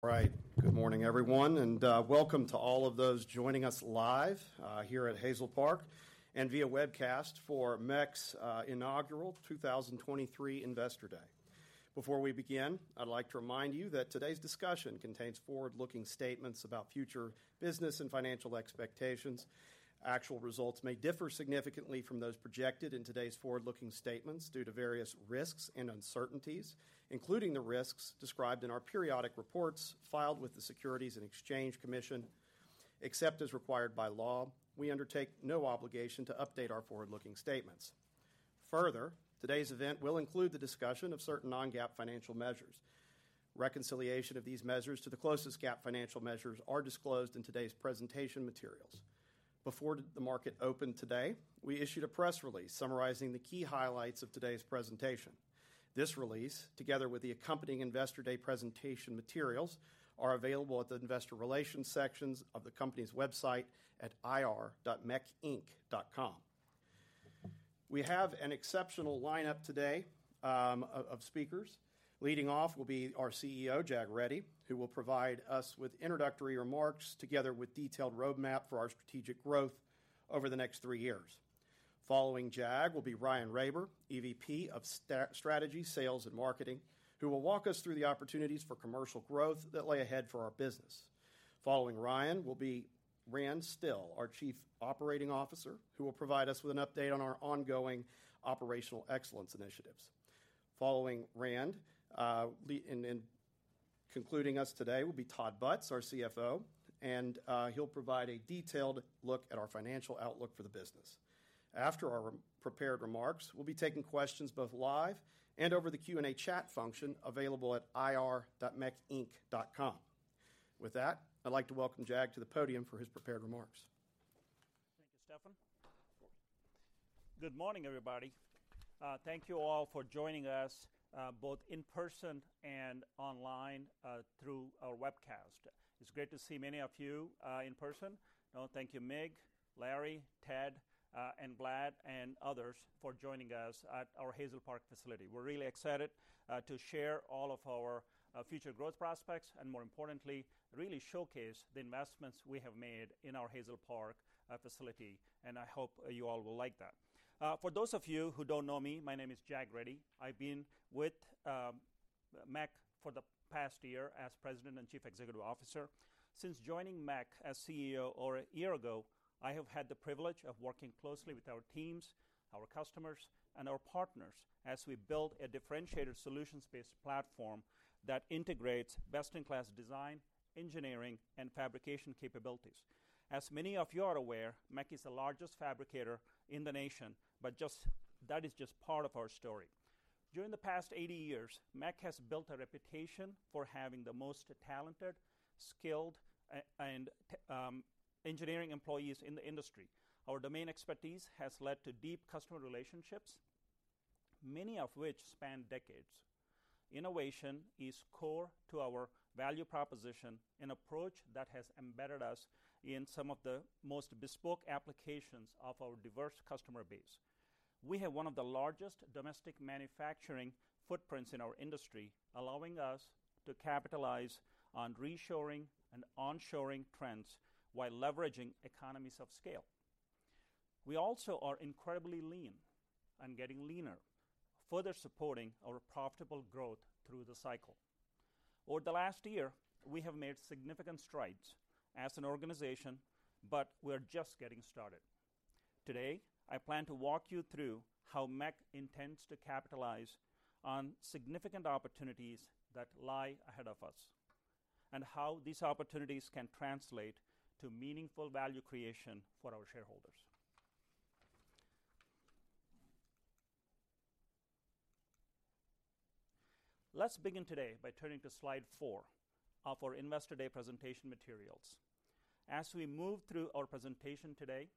All right. Good morning, everyone, and welcome to all of those joining us live here at Hazel Park and via webcast for MEC's Inaugural 2023 Investor Day. Before we begin, I'd like to remind you that today's discussion contains forward-looking statements about future business and financial expectations. Actual results may differ significantly from those projected in today's forward-looking statements due to various risks and uncertainties, including the risks described in our periodic reports filed with the Securities and Exchange Commission. Except as required by law, we undertake no obligation to update our forward-looking statements. Further, today's event will include the discussion of certain non-GAAP financial measures. Reconciliation of these measures to the closest GAAP financial measures are disclosed in today's presentation materials. Before the market opened today, we issued a press release summarizing the key highlights of today's presentation. This release, together with the accompanying Investor Day presentation materials, are available at the Investor Relations sections of the company's website at ir.mecinc.com. We have an exceptional lineup today of speakers. Leading off will be our CEO, Jag Reddy, who will provide us with introductory remarks together with detailed roadmap for our strategic growth over the next three years. Following Jag will be Ryan Raber, EVP of Strategy, Sales, and Marketing, who will walk us through the opportunities for commercial growth that lay ahead for our business. Following Ryan will be Rand Stille, our Chief Operating Officer, who will provide us with an update on our ongoing operational excellence initiatives. Following Rand, and concluding us today will be Todd Butz, our CFO, and he'll provide a detailed look at our financial outlook for the business. After our prepared remarks, we'll be taking questions both live and over the Q&A chat function available at ir.mecinc.com. With that, I'd like to welcome Jag to the podium for his prepared remarks. Thank you, Stefan. Good morning, everybody. Thank you all for joining us, both in person and online, through our webcast. It's great to see many of you in person. I want to thank you, Mig, Larry, Ted, and Vlad, and others for joining us at our Hazel Park facility. We're really excited to share all of our future growth prospects, and more importantly, really showcase the investments we have made in our Hazel Park facility, and I hope you all will like that. For those of you who don't know me, my name is Jag Reddy. I've been with MEC for the past year as President and Chief Executive Officer. Since joining MEC as CEO over a year ago, I have had the privilege of working closely with our teams, our customers, and our partners as we built a differentiated solutions-based platform that integrates best-in-class design, engineering, and fabrication capabilities. As many of you are aware, MEC is the largest fabricator in the nation, but just that is just part of our story. During the past 80 years, MEC has built a reputation for having the most talented, skilled, and engineering employees in the industry. Our domain expertise has led to deep customer relationships, many of which span decades. Innovation is core to our value proposition, an approach that has embedded us in some of the most bespoke applications of our diverse customer base. We have one of the largest domestic manufacturing footprints in our industry, allowing us to capitalize on reshoring and onshoring trends while leveraging economies of scale. We also are incredibly lean and getting leaner, further supporting our profitable growth through the cycle. Over the last year, we have made significant strides as an organization, but we're just getting started. Today, I plan to walk you through how MEC intends to capitalize on significant opportunities that lie ahead of us, and how these opportunities can translate to meaningful value creation for our shareholders. Let's begin today by turning to slide four of our Investor Day presentation materials. As we move through our presentation today,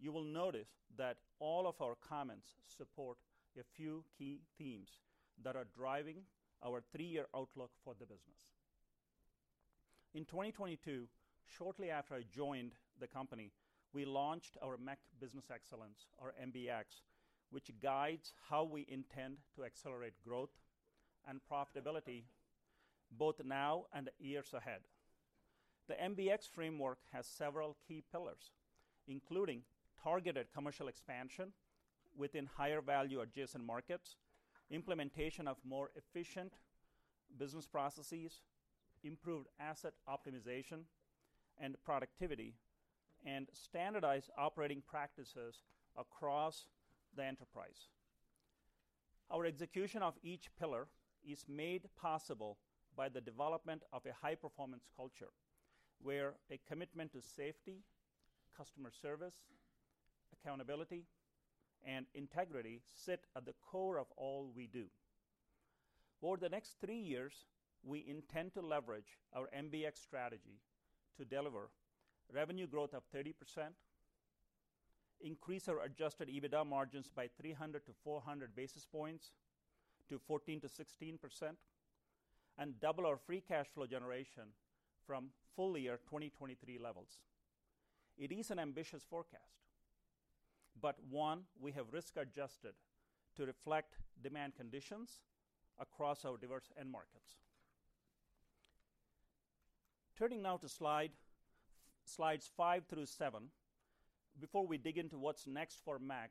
you will notice that all of our comments support a few key themes that are driving our three-year outlook for the business. In 2022, shortly after I joined the company, we launched our MEC Business Excellence, or MBX, which guides how we intend to accelerate growth and profitability both now and years ahead. The MBX framework has several key pillars, including targeted commercial expansion within higher value adjacent markets, implementation of more efficient business processes, improved asset optimization and productivity, and standardized operating practices across the enterprise. Our execution of each pillar is made possible by the development of a high-performance culture, where a commitment to safety, customer service, accountability, and integrity sit at the core of all we do. Over the next three years, we intend to leverage our MBX strategy to deliver revenue growth of 30%, increase our Adjusted EBITDA margins by 300 basis points-400 basis points to 14%-16%, and double our free cash flow generation from full year 2023 levels. It is an ambitious forecast, but one, we have risk-adjusted to reflect demand conditions across our diverse end markets. Turning now to slide, slides five through seven, before we dig into what's next for MEC,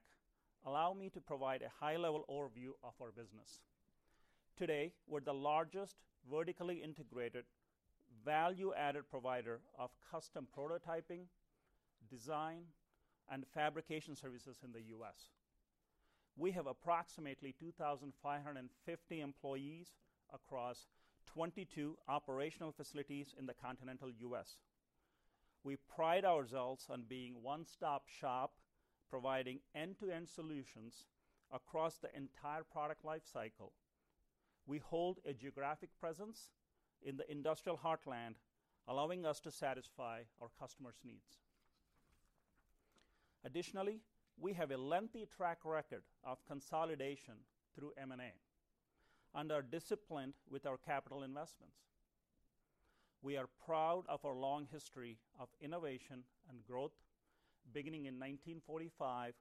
allow me to provide a high-level overview of our business. Today, we're the largest vertically integrated value-added provider of custom prototyping, design, and fabrication services in the U.S. We have approximately 2,550 employees across 22 operational facilities in the continental U.S. We pride ourselves on being a one-stop shop, providing end-to-end solutions across the entire product lifecycle. We hold a geographic presence in the industrial heartland, allowing us to satisfy our customers' needs. Additionally, we have a lengthy track record of consolidation through M&A and are disciplined with our capital investments. We are proud of our long history of innovation and growth, beginning in 1945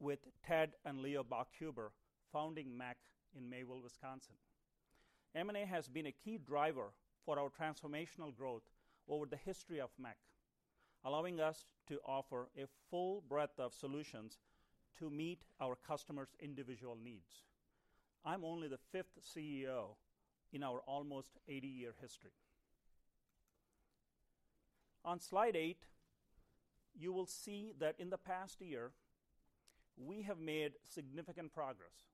with Ted and Leo Bachhuber founding MEC in Mayville, Wisconsin. M&A has been a key driver for our transformational growth over the history of MEC, allowing us to offer a full breadth of solutions to meet our customers' individual needs. I'm only the fifth CEO in our almost 80-year history. On slide eight, you will see that in the past year, we have made significant progress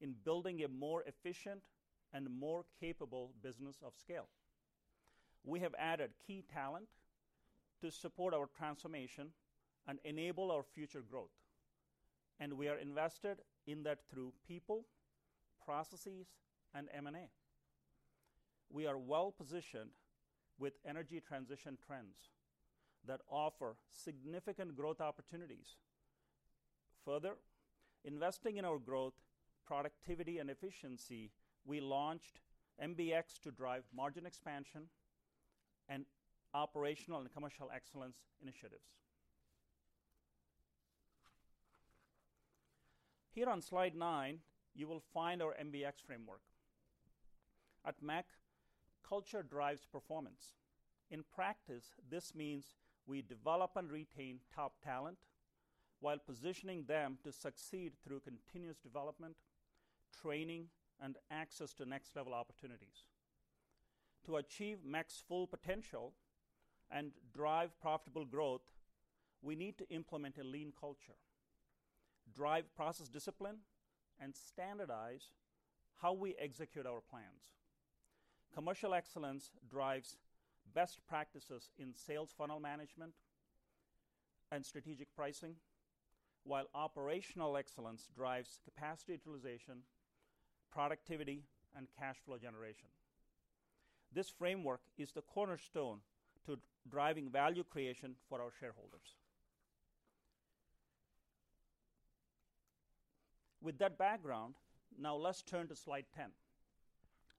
in building a more efficient and more capable business of scale. We have added key talent to support our transformation and enable our future growth, and we are invested in that through people, processes, and M&A. We are well positioned with energy transition trends that offer significant growth opportunities. Further, investing in our growth, productivity, and efficiency, we launched MBX to drive margin expansion and operational and commercial excellence initiatives. Here on slide nine, you will find our MBX framework. At MEC, culture drives performance. In practice, this means we develop and retain top talent while positioning them to succeed through continuous development, training, and access to next-level opportunities. To achieve MEC's full potential and drive profitable growth, we need to implement a lean culture, drive process discipline, and standardize how we execute our plans. Commercial excellence drives best practices in sales funnel management and strategic pricing, while operational excellence drives capacity utilization, productivity, and cash flow generation. This framework is the cornerstone to driving value creation for our shareholders. With that background, now let's turn to slide ten.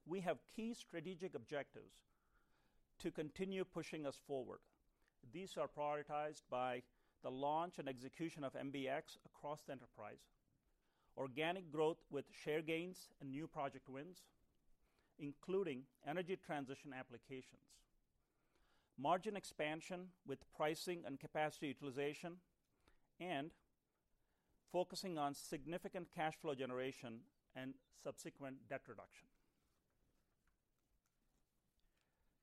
We have key strategic objectives to continue pushing us forward. These are prioritized by the launch and execution of MBX across the enterprise, organic growth with share gains and new project wins, including energy transition applications, margin expansion with pricing and capacity utilization, and focusing on significant cash flow generation and subsequent debt reduction.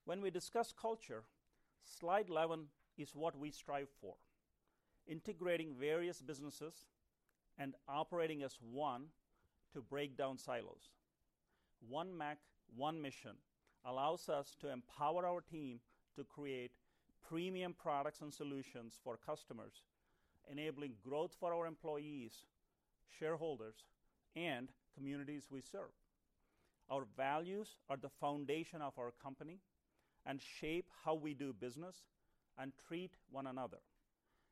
When we discuss culture, slide 11 is what we strive for, integrating various businesses and operating as one to break down silos. One MEC, One Mission allows us to empower our team to create premium products and solutions for customers, enabling growth for our employees, shareholders, and communities we serve. Our values are the foundation of our company and shape how we do business and treat one another.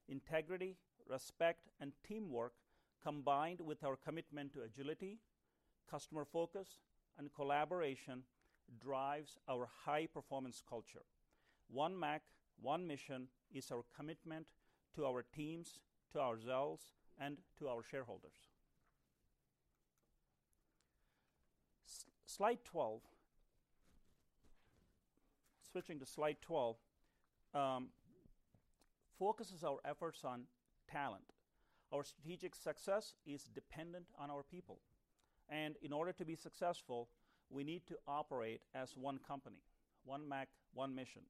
Integrity, respect, and teamwork, combined with our commitment to agility, customer focus, and collaboration, drives our high-performance culture. One MEC, One Mission is our commitment to our teams, to ourselves, and to our shareholders. Slide 12. Switching to slide 12, focuses our efforts on talent. Our strategic success is dependent on our people, and in order to be successful, we need to operate as One Company, One MEC, One Mission.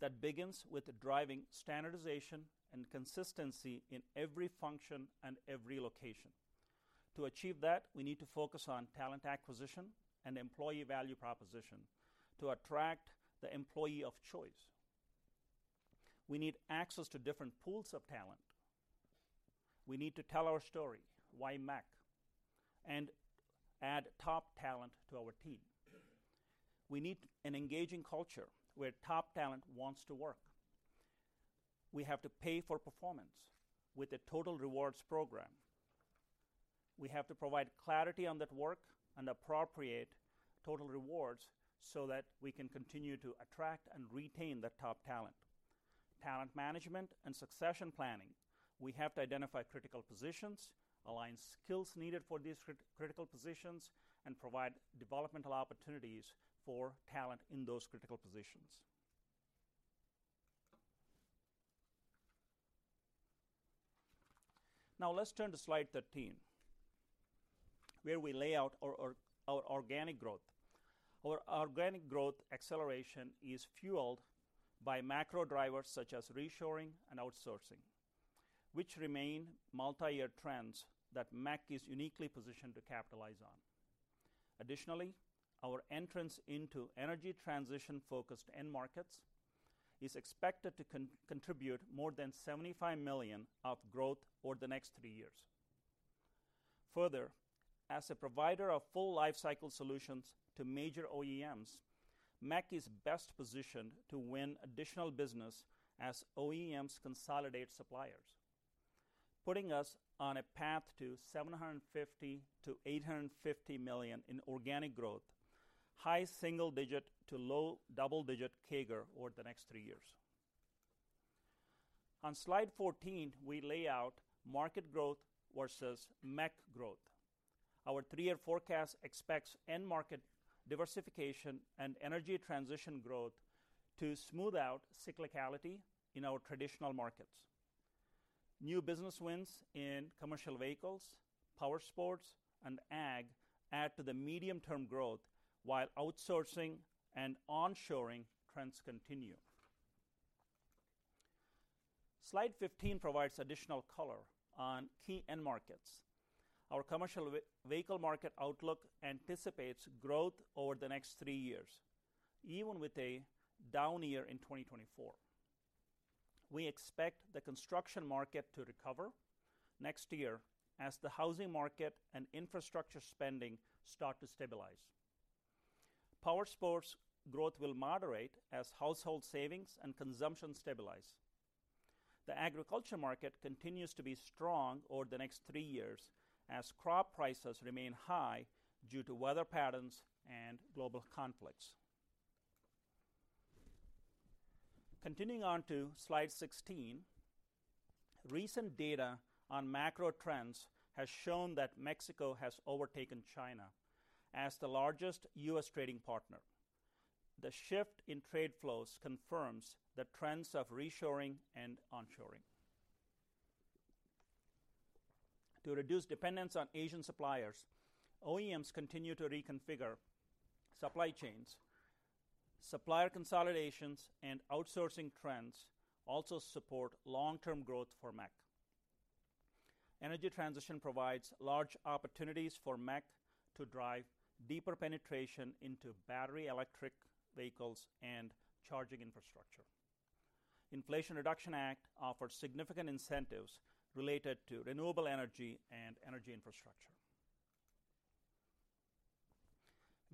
That begins with driving standardization and consistency in every function and every location. To achieve that, we need to focus on talent acquisition and employee value proposition to attract the employee of choice. We need access to different pools of talent. We need to tell our story, why MEC, and add top talent to our team. We need an engaging culture where top talent wants to work. We have to pay for performance with a total rewards program. We have to provide clarity on that work and appropriate total rewards so that we can continue to attract and retain the top talent. Talent management and succession planning: We have to identify critical positions, align skills needed for these critical positions, and provide developmental opportunities for talent in those critical positions. Now let's turn to slide 13, where we lay out our organic growth. Our organic growth acceleration is fueled by macro drivers such as reshoring and outsourcing, which remain multi-year trends that MEC is uniquely positioned to capitalize on. Additionally, our entrance into energy transition-focused end markets is expected to contribute more than $75 million of growth over the next three years. Further, as a provider of full lifecycle solutions to major OEMs, MEC is best positioned to win additional business as OEMs consolidate suppliers, putting us on a path to $750 million-$850 million in organic growth, high-single digit to low-double digit CAGR over the next three years. On slide 14, we lay out market growth versus MEC growth. Our three-year forecast expects end market diversification and energy transition growth to smooth out cyclicality in our traditional markets. New business wins in commercial vehicles, powersports, and ag add to the medium-term growth, while outsourcing and onshoring trends continue. Slide 15 provides additional color on key end markets. Our commercial vehicle market outlook anticipates growth over the next three years, even with a down year in 2024. We expect the construction market to recover next year as the housing market and infrastructure spending start to stabilize. Powersports growth will moderate as household savings and consumption stabilize. The agriculture market continues to be strong over the next three years as crop prices remain high due to weather patterns and global conflicts. Continuing on to slide 16, recent data on macro trends has shown that Mexico has overtaken China as the largest U.S. trading partner. The shift in trade flows confirms the trends of reshoring and onshoring. To reduce dependence on Asian suppliers, OEMs continue to reconfigure supply chains. Supplier consolidations and outsourcing trends also support long-term growth for MEC. Energy transition provides large opportunities for MEC to drive deeper penetration into battery electric vehicles and charging infrastructure. Inflation Reduction Act offers significant incentives related to renewable energy and energy infrastructure.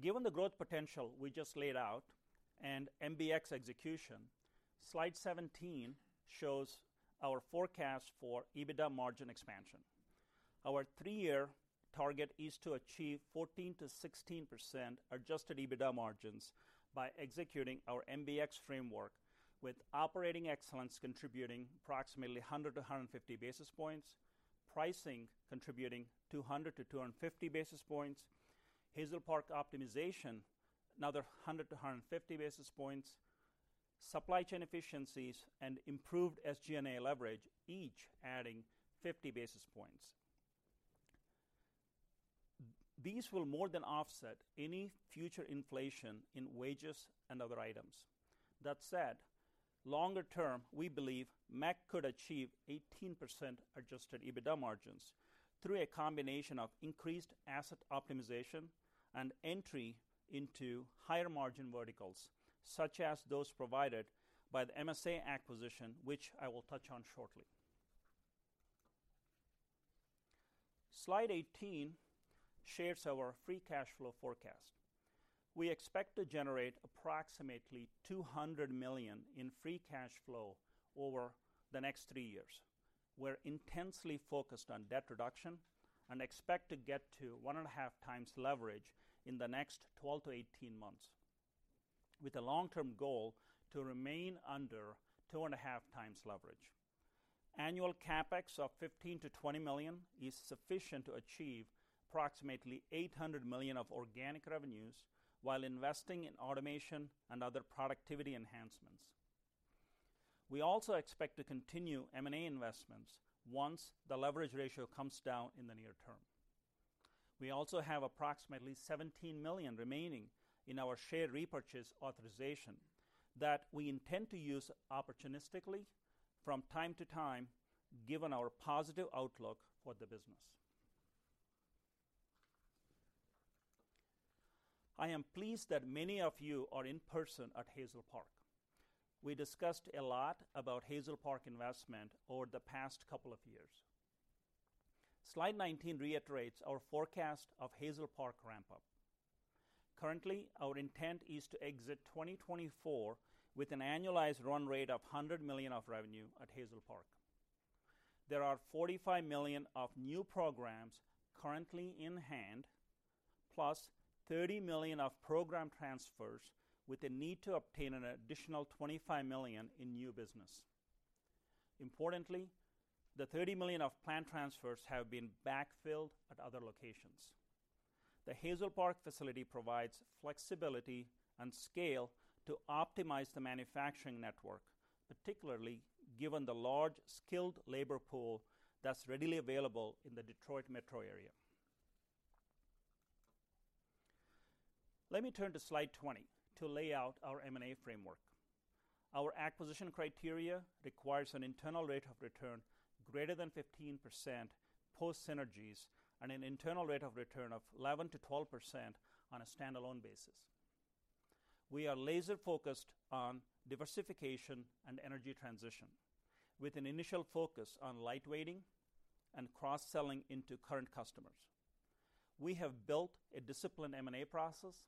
Given the growth potential we just laid out and MBX execution, slide 17 shows our forecast for EBITDA margin expansion. Our three-year target is to achieve 14%-16% Adjusted EBITDA margins by executing our MBX framework, with operating excellence contributing approximately 100 basis points-150 basis points, pricing contributing 200 basis points-250 basis points, Hazel Park optimization, another 100 basis points-150 basis points, supply chain efficiencies, and improved SG&A leverage, each adding 50 basis points. These will more than offset any future inflation in wages and other items. That said, longer term, we believe MEC could achieve 18% Adjusted EBITDA margins through a combination of increased asset optimization and entry into higher margin verticals, such as those provided by the MSA acquisition, which I will touch on shortly. Slide 18 shares our free cash flow forecast. We expect to generate approximately $200 million in free cash flow over the next three years. We're intensely focused on debt reduction and expect to get to 1.5x leverage in the next 12 months-18 months, with a long-term goal to remain under 2.5x leverage. Annual CapEx of $15 million-$20 million is sufficient to achieve approximately $800 million of organic revenues while investing in automation and other productivity enhancements. We also expect to continue M&A investments once the leverage ratio comes down in the near term. We also have approximately $17 million remaining in our share repurchase authorization that we intend to use opportunistically from time to time, given our positive outlook for the business. I am pleased that many of you are in person at Hazel Park. We discussed a lot about Hazel Park investment over the past couple of years. Slide 19 reiterates our forecast of Hazel Park ramp-up. Currently, our intent is to exit 2024 with an annualized run rate of $100 million of revenue at Hazel Park. There are $45 million of new programs currently in hand, plus $30 million of program transfers with a need to obtain an additional $25 million in new business. Importantly, the $30 million of planned transfers have been backfilled at other locations. The Hazel Park facility provides flexibility and scale to optimize the manufacturing network, particularly given the large, skilled labor pool that's readily available in the Detroit metro area. Let me turn to slide 20 to lay out our M&A framework. Our acquisition criteria requires an internal rate of return greater than 15% post synergies, and an internal rate of return of 11%-12% on a standalone basis. We are laser-focused on diversification and energy transition, with an initial focus on lightweighting and cross-selling into current customers. We have built a disciplined M&A process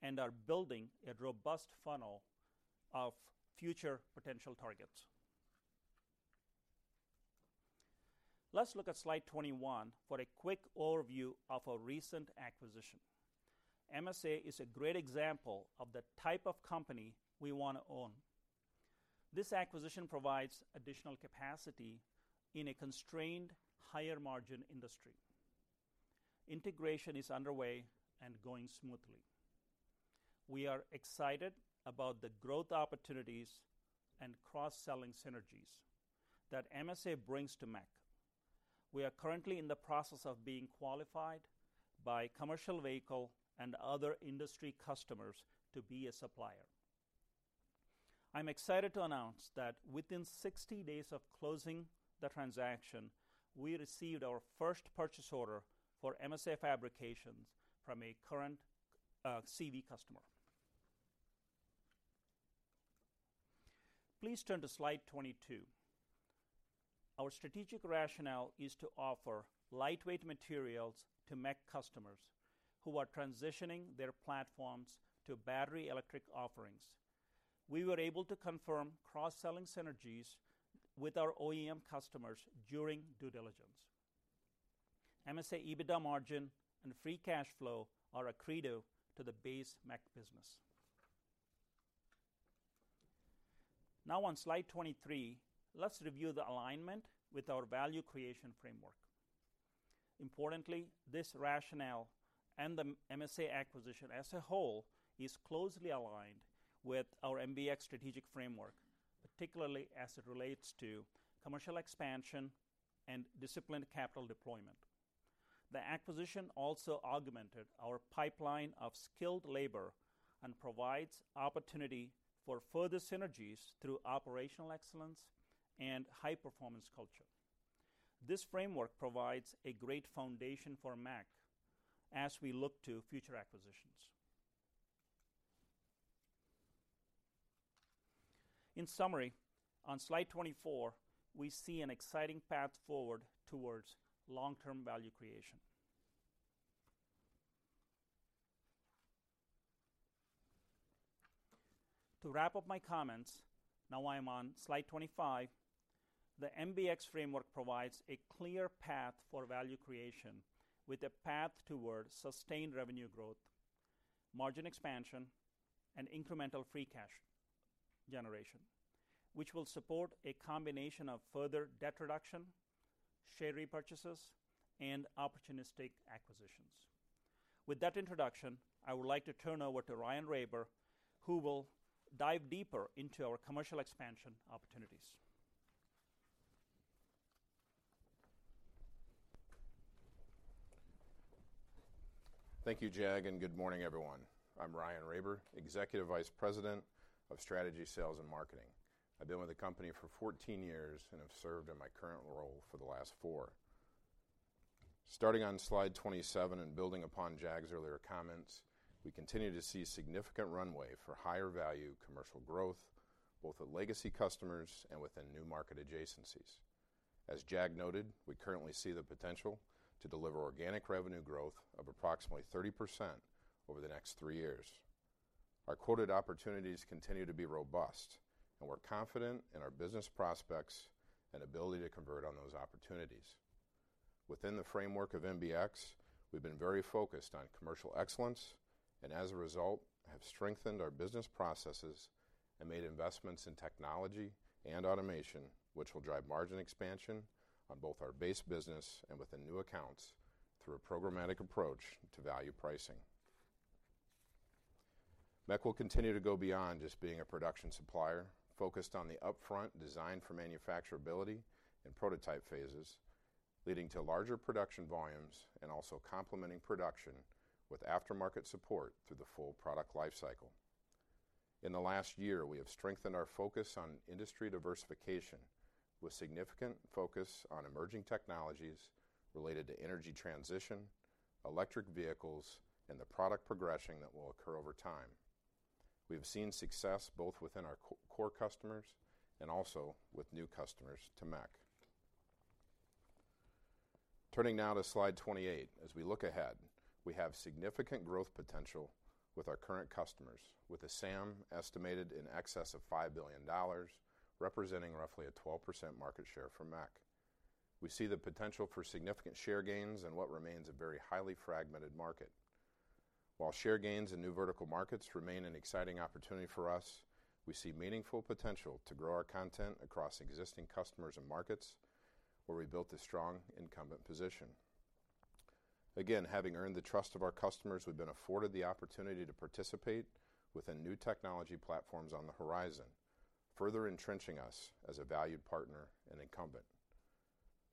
and are building a robust funnel of future potential targets. Let's look at slide 21 for a quick overview of our recent acquisition. MSA is a great example of the type of company we want to own. This acquisition provides additional capacity in a constrained, higher-margin industry. Integration is underway and going smoothly. We are excited about the growth opportunities and cross-selling synergies that MSA brings to MEC. We are currently in the process of being qualified by commercial vehicle and other industry customers to be a supplier. I'm excited to announce that within 60 days of closing the transaction, we received our first purchase order for MSA fabrications from a current, CV customer. Please turn to slide 22. Our strategic rationale is to offer lightweight materials to MEC customers who are transitioning their platforms to battery electric offerings. We were able to confirm cross-selling synergies with our OEM customers during due diligence. MSA EBITDA margin and free cash flow are accretive to the base MEC business. Now, on slide 23, let's review the alignment with our value creation framework. Importantly, this rationale and the MSA acquisition as a whole, is closely aligned with our MBX strategic framework, particularly as it relates to commercial expansion and disciplined capital deployment. The acquisition also augmented our pipeline of skilled labor and provides opportunity for further synergies through operational excellence and high-performance culture. This framework provides a great foundation for MEC as we look to future acquisitions. In summary, on slide 24, we see an exciting path forward towards long-term value creation. To wrap up my comments, now I am on slide 25. The MBX framework provides a clear path for value creation, with a path towards sustained revenue growth, margin expansion, and incremental free cash generation, which will support a combination of further debt reduction, share repurchases, and opportunistic acquisitions. With that introduction, I would like to turn over to Ryan Raber, who will dive deeper into our commercial expansion opportunities. Thank you, Jag, and good morning, everyone. I'm Ryan Raber, Executive Vice President of Strategy, Sales, and Marketing. I've been with the company for 14 years and have served in my current role for the last four. Starting on slide 27 and building upon Jag's earlier comments, we continue to see significant runway for higher-value commercial growth, both with legacy customers and within new market adjacencies. As Jag noted, we currently see the potential to deliver organic revenue growth of approximately 30% over the next 3 years. Our quoted opportunities continue to be robust, and we're confident in our business prospects and ability to convert on those opportunities. Within the framework of MBX, we've been very focused on commercial excellence, and as a result, have strengthened our business processes and made investments in technology and automation, which will drive margin expansion on both our base business and within new accounts through a programmatic approach to value pricing. MEC will continue to go beyond just being a production supplier, focused on the upfront design for manufacturability and prototype phases, leading to larger production volumes and also complementing production with aftermarket support through the full product lifecycle. In the last year, we have strengthened our focus on industry diversification, with significant focus on emerging technologies related to energy transition, electric vehicles, and the product progression that will occur over time. We have seen success both within our core customers and also with new customers to MEC. Turning now to slide 28. As we look ahead, we have significant growth potential with our current customers, with a SAM estimated in excess of $5 billion, representing roughly a 12% market share for MEC. We see the potential for significant share gains in what remains a very highly fragmented market. While share gains in new vertical markets remain an exciting opportunity for us, we see meaningful potential to grow our content across existing customers end markets where we built a strong incumbent position. Again, having earned the trust of our customers, we've been afforded the opportunity to participate within new technology platforms on the horizon, further entrenching us as a valued partner and incumbent.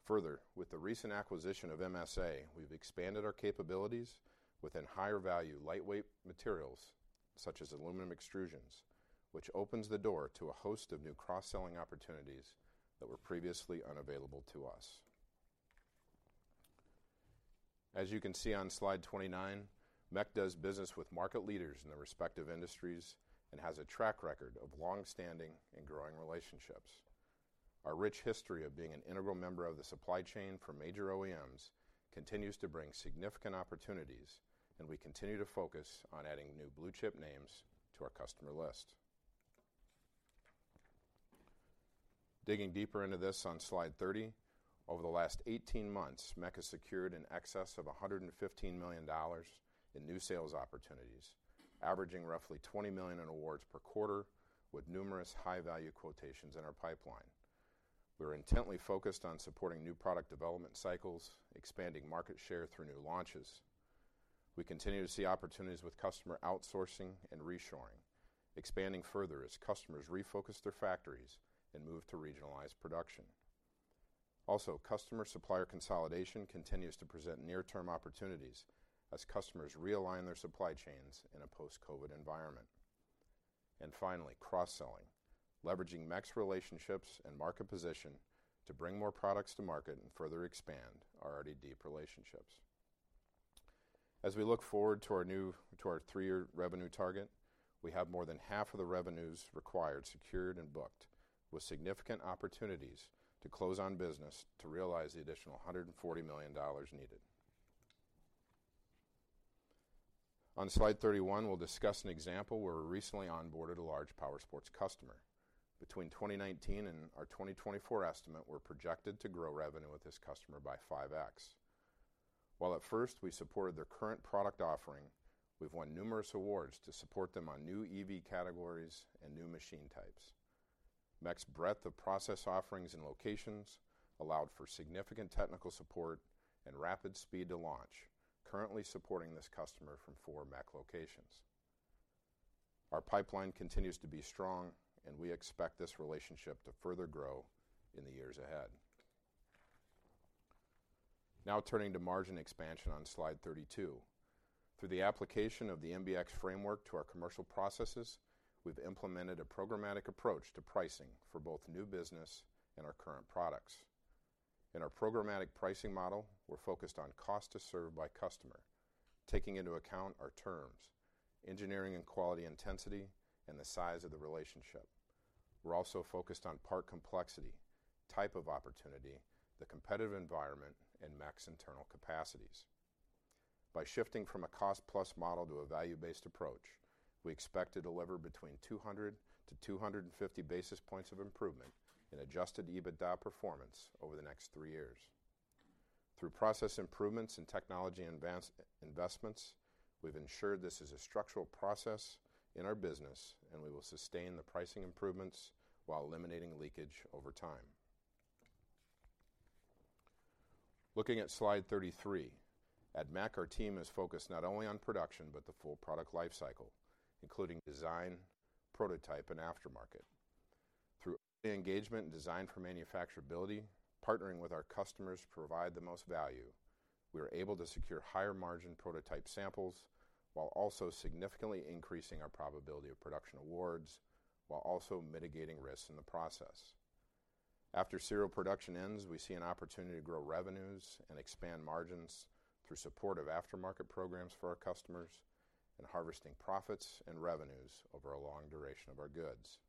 Further, with the recent acquisition of MSA, we've expanded our capabilities within higher value, lightweight materials such as aluminum extrusions, which opens the door to a host of new cross-selling opportunities that were previously unavailable to us. As you can see on slide 29, MEC does business with market leaders in their respective industries and has a track record of long-standing and growing relationships. Our rich history of being an integral member of the supply chain for major OEMs continues to bring significant opportunities, and we continue to focus on adding new blue chip names to our customer list. Digging deeper into this on slide 30, over the last 18 months, MEC has secured in excess of $115 million in new sales opportunities, averaging roughly $20 million in awards per quarter, with numerous high-value quotations in our pipeline. We are intently focused on supporting new product development cycles, expanding market share through new launches. We continue to see opportunities with customer outsourcing and reshoring, expanding further as customers refocus their factories and move to regionalized production. Also, customer-supplier consolidation continues to present near-term opportunities as customers realign their supply chains in a post-COVID environment. And finally, cross-selling, leveraging MEC's relationships and market position to bring more products to market and further expand our already deep relationships. As we look forward to our three-year revenue target, we have more than half of the revenues required, secured and booked, with significant opportunities to close on business to realize the additional $140 million needed. On slide 31, we'll discuss an example where we recently onboarded a large powersports customer. Between 2019 and our 2024 estimate, we're projected to grow revenue with this customer by 5x. While at first we supported their current product offering, we've won numerous awards to support them on new EV categories and new machine types. MEC's breadth of process offerings and locations allowed for significant technical support and rapid speed to launch, currently supporting this customer from four MEC locations. Our pipeline continues to be strong, and we expect this relationship to further grow in the years ahead. Now turning to margin expansion on slide 32. Through the application of the MBX framework to our commercial processes, we've implemented a programmatic approach to pricing for both new business and our current products. In our Programmatic Pricing Model, we're focused on cost to serve by customer, taking into account our terms, engineering and quality intensity, and the size of the relationship. We're also focused on part complexity, type of opportunity, the competitive environment, and MEC's internal capacities. By shifting from a cost-plus model to a value-based approach, we expect to deliver between 200 basis points-250 basis points of improvement in Adjusted EBITDA performance over the next 3 years. Through process improvements and technology advance investments, we've ensured this is a structural process in our business, and we will sustain the pricing improvements while eliminating leakage over time. Looking at slide 33, at MEC, our team is focused not only on production, but the full product lifecycle, including design, prototype, and aftermarket. Through engagement and design for manufacturability, partnering with our customers to provide the most value, we are able to secure higher-margin prototype samples while also significantly increasing our probability of production awards, while also mitigating risks in the process. After serial production ends, we see an opportunity to grow revenues and expand margins through support of aftermarket programs for our customers and harvesting profits and revenues over a long duration of our goods.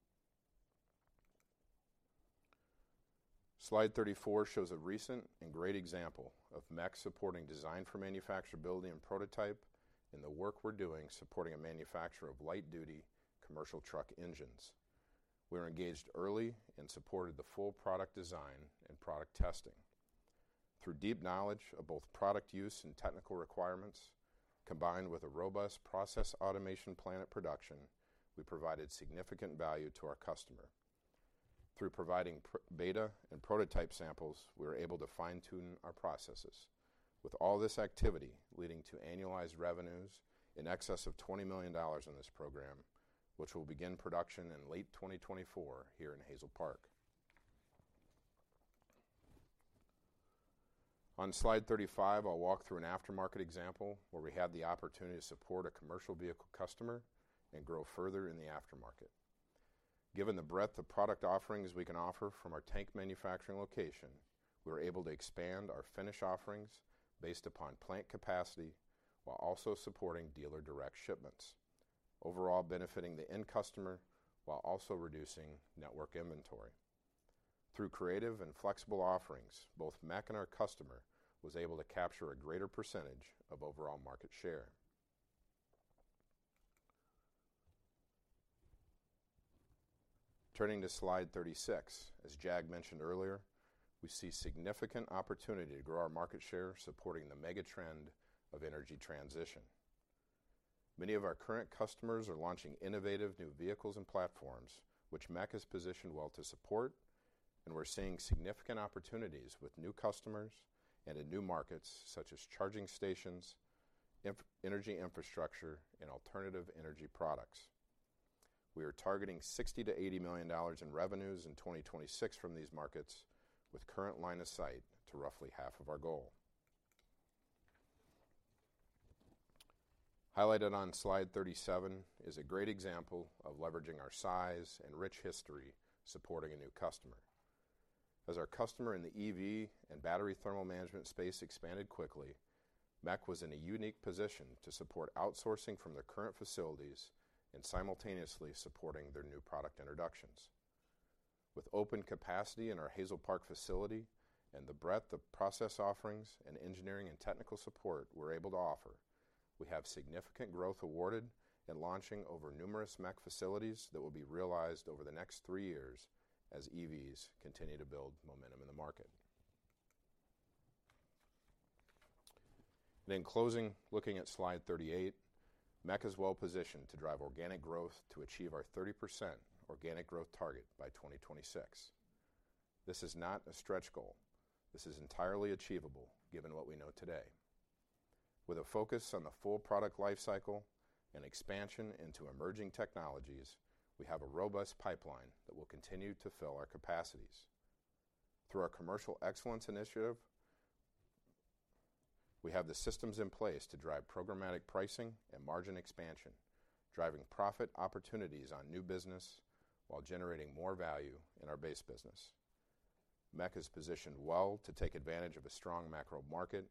Slide 34 shows a recent and great example of MEC supporting design for manufacturability and prototype in the work we're doing supporting a manufacturer of light-duty commercial truck engines. We were engaged early and supported the full product design and product testing. Through deep knowledge of both product use and technical requirements, combined with a robust process automation plan at production, we provided significant value to our customer. Through providing pre-beta and prototype samples, we were able to fine-tune our processes, with all this activity leading to annualized revenues in excess of $20 million in this program, which will begin production in late 2024 here in Hazel Park. On slide 35, I'll walk through an aftermarket example where we had the opportunity to support a commercial vehicle customer and grow further in the aftermarket. Given the breadth of product offerings we can offer from our tank manufacturing location, we were able to expand our finish offerings based upon plant capacity while also supporting dealer direct shipments, overall benefiting the end customer, while also reducing network inventory. Through creative and flexible offerings, both MEC and our customer was able to capture a greater percentage of overall market share. Turning to slide 36, as Jag mentioned earlier, we see significant opportunity to grow our market share, supporting the mega trend of energy transition. Many of our current customers are launching innovative new vehicles and platforms, which MEC is positioned well to support, and we're seeing significant opportunities with new customers and in new markets, such as charging stations, infrastructure energy infrastructure, and alternative energy products. We are targeting $60 million-$80 million in revenues in 2026 from these markets, with current line of sight to roughly half of our goal. Highlighted on slide 37 is a great example of leveraging our size and rich history, supporting a new customer. As our customer in the EV and battery thermal management space expanded quickly, MEC was in a unique position to support outsourcing from their current facilities and simultaneously supporting their new product introductions. With open capacity in our Hazel Park facility and the breadth of process offerings and engineering and technical support we're able to offer, we have significant growth awarded and launching over numerous MEC facilities that will be realized over the next three years as EVs continue to build momentum in the market. In closing, looking at slide 38, MEC is well positioned to drive organic growth to achieve our 30% organic growth target by 2026. This is not a stretch goal. This is entirely achievable, given what we know today. With a focus on the full product lifecycle and expansion into emerging technologies, we have a robust pipeline that will continue to fill our capacities. Through our commercial excellence initiative, we have the systems in place to drive programmatic pricing and margin expansion, driving profit opportunities on new business while generating more value in our base business. MEC is positioned well to take advantage of a strong macro market,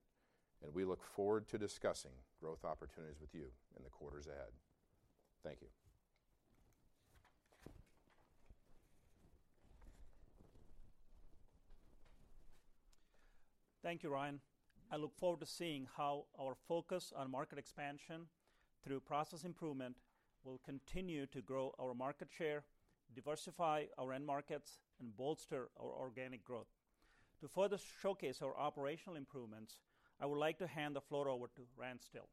and we look forward to discussing growth opportunities with you in the quarters ahead. Thank you. Thank you, Ryan. I look forward to seeing how our focus on market expansion through process improvement will continue to grow our market share, diversify our end markets, and bolster our organic growth. To further showcase our operational improvements, I would like to hand the floor over to Rand Stille.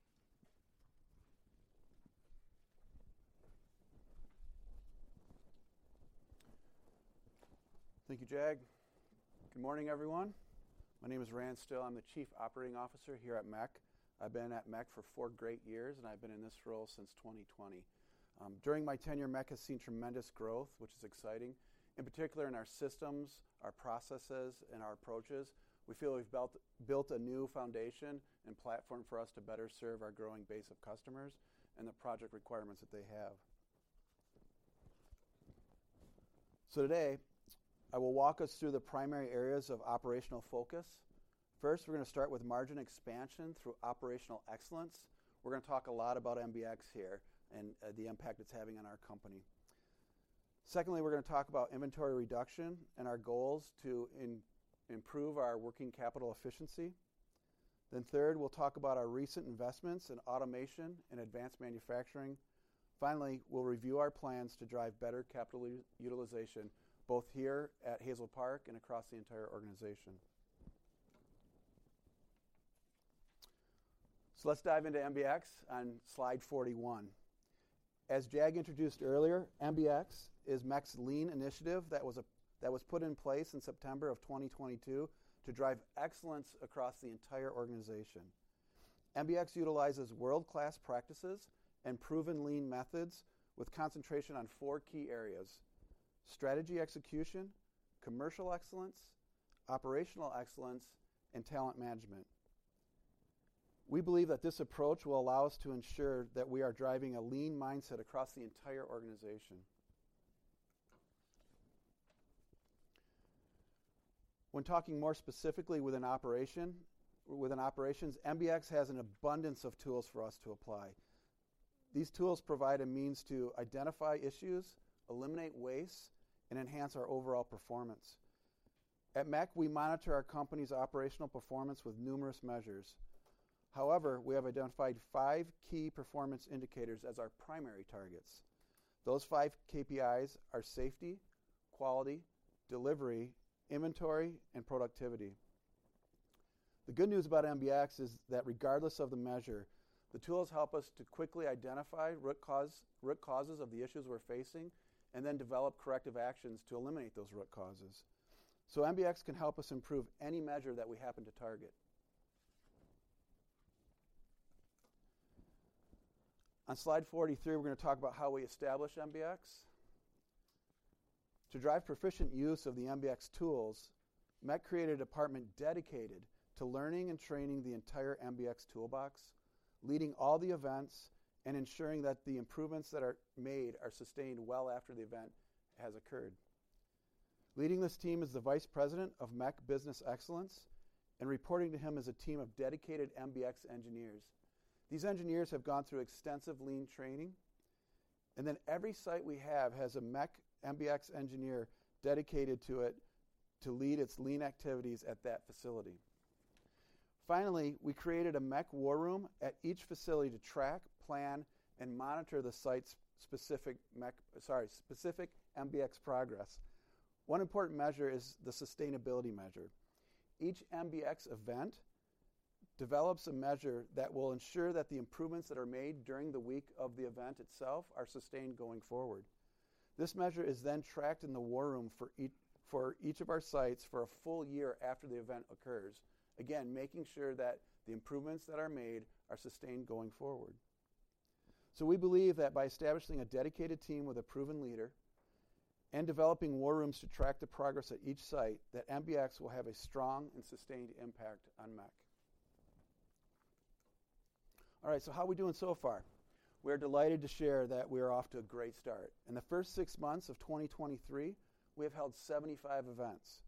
Thank you, Jag. Good morning, everyone. My name is Rand Stille. I'm the Chief Operating Officer here at MEC. I've been at MEC for four great years, and I've been in this role since 2020. During my tenure, MEC has seen tremendous growth, which is exciting. In particular in our systems, our processes, and our approaches, we feel we've built a new foundation and platform for us to better serve our growing base of customers and the project requirements that they have. So today, I will walk us through the primary areas of operational focus. First, we're gonna start with margin expansion through operational excellence. We're gonna talk a lot about MBX here and the impact it's having on our company. Secondly, we're gonna talk about inventory reduction and our goals to improve our working capital efficiency. Then third, we'll talk about our recent investments in automation and advanced manufacturing. Finally, we'll review our plans to drive better capital utilization, both here at Hazel Park and across the entire organization. So let's dive into MBX on slide 41. As Jag introduced earlier, MBX is MEC's lean initiative that was, that was put in place in September 2022 to drive excellence across the entire organization. MBX utilizes world-class practices and proven lean methods with concentration on four key areas: Strategy Execution, Commercial Excellence, Operational Excellence, and Talent Management. We believe that this approach will allow us to ensure that we are driving a lean mindset across the entire organization. When talking more specifically within operations, MBX has an abundance of tools for us to apply. These tools provide a means to identify issues, eliminate waste, and enhance our overall performance. At MEC, we monitor our company's operational performance with numerous measures. However, we have identified five key performance indicators as our primary targets. Those five KPIs are safety, quality, delivery, inventory, and productivity. The good news about MBX is that regardless of the measure, the tools help us to quickly identify root cause, root causes of the issues we're facing, and then develop corrective actions to eliminate those root causes. So MBX can help us improve any measure that we happen to target. On slide 43, we're gonna talk about how we establish MBX. To drive proficient use of the MBX tools, MEC created a department dedicated to learning and training the entire MBX toolbox, leading all the events, and ensuring that the improvements that are made are sustained well after the event has occurred. Leading this team is the Vice President of MEC Business Excellence, and reporting to him is a team of dedicated MBX engineers. These engineers have gone through extensive lean training, and then every site we have has a MEC MBX engineer dedicated to it to lead its lean activities at that facility. Finally, we created a MEC war room at each facility to track, plan, and monitor the site's specific MBX progress. One important measure is the Sustainability measure. Each MBX event develops a measure that will ensure that the improvements that are made during the week of the event itself are sustained going forward. This measure is then tracked in the war room for each of our sites for a full year after the event occurs. Again, making sure that the improvements that are made are sustained going forward. So we believe that by establishing a dedicated team with a proven leader and developing war rooms to track the progress at each site, that MBX will have a strong and sustained impact on MEC. All right, so how are we doing so far? We're delighted to share that we are off to a great start. In the first six months of 2023, we have held 75 events.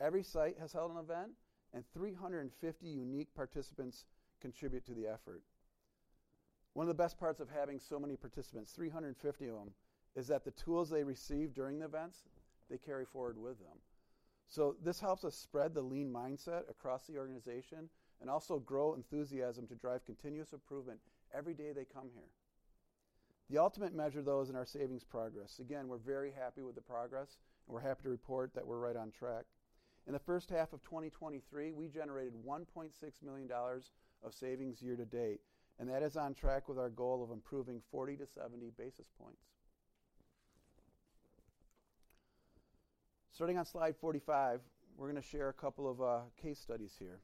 Every site has held an event, and 350 unique participants contribute to the effort. One of the best parts of having so many participants, 350 of them, is that the tools they receive during the events, they carry forward with them. So this helps us spread the lean mindset across the organization and also grow enthusiasm to drive continuous improvement every day they come here. The ultimate measure, though, is in our savings progress. Again, we're very happy with the progress, and we're happy to report that we're right on track. In the first half of 2023, we generated $1.6 million of savings year to date, and that is on track with our goal of improving 40 basis points-70 basis points. Starting on slide 45, we're gonna share a couple of case studies here.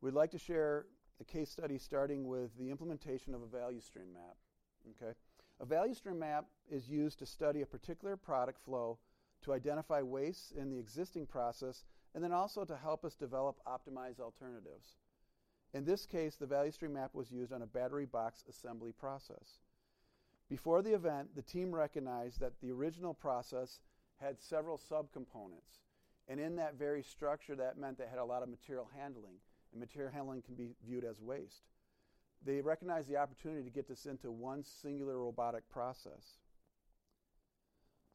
We'd like to share a case study, starting with the implementation of a value stream map, okay? A value stream map is used to study a particular product flow, to identify waste in the existing process, and then also to help us develop optimized alternatives. In this case, the value stream map was used on a battery box assembly process. Before the event, the team recognized that the original process had several subcomponents, and in that very structure, that meant they had a lot of material handling, and material handling can be viewed as waste. They recognized the opportunity to get this into one singular robotic process.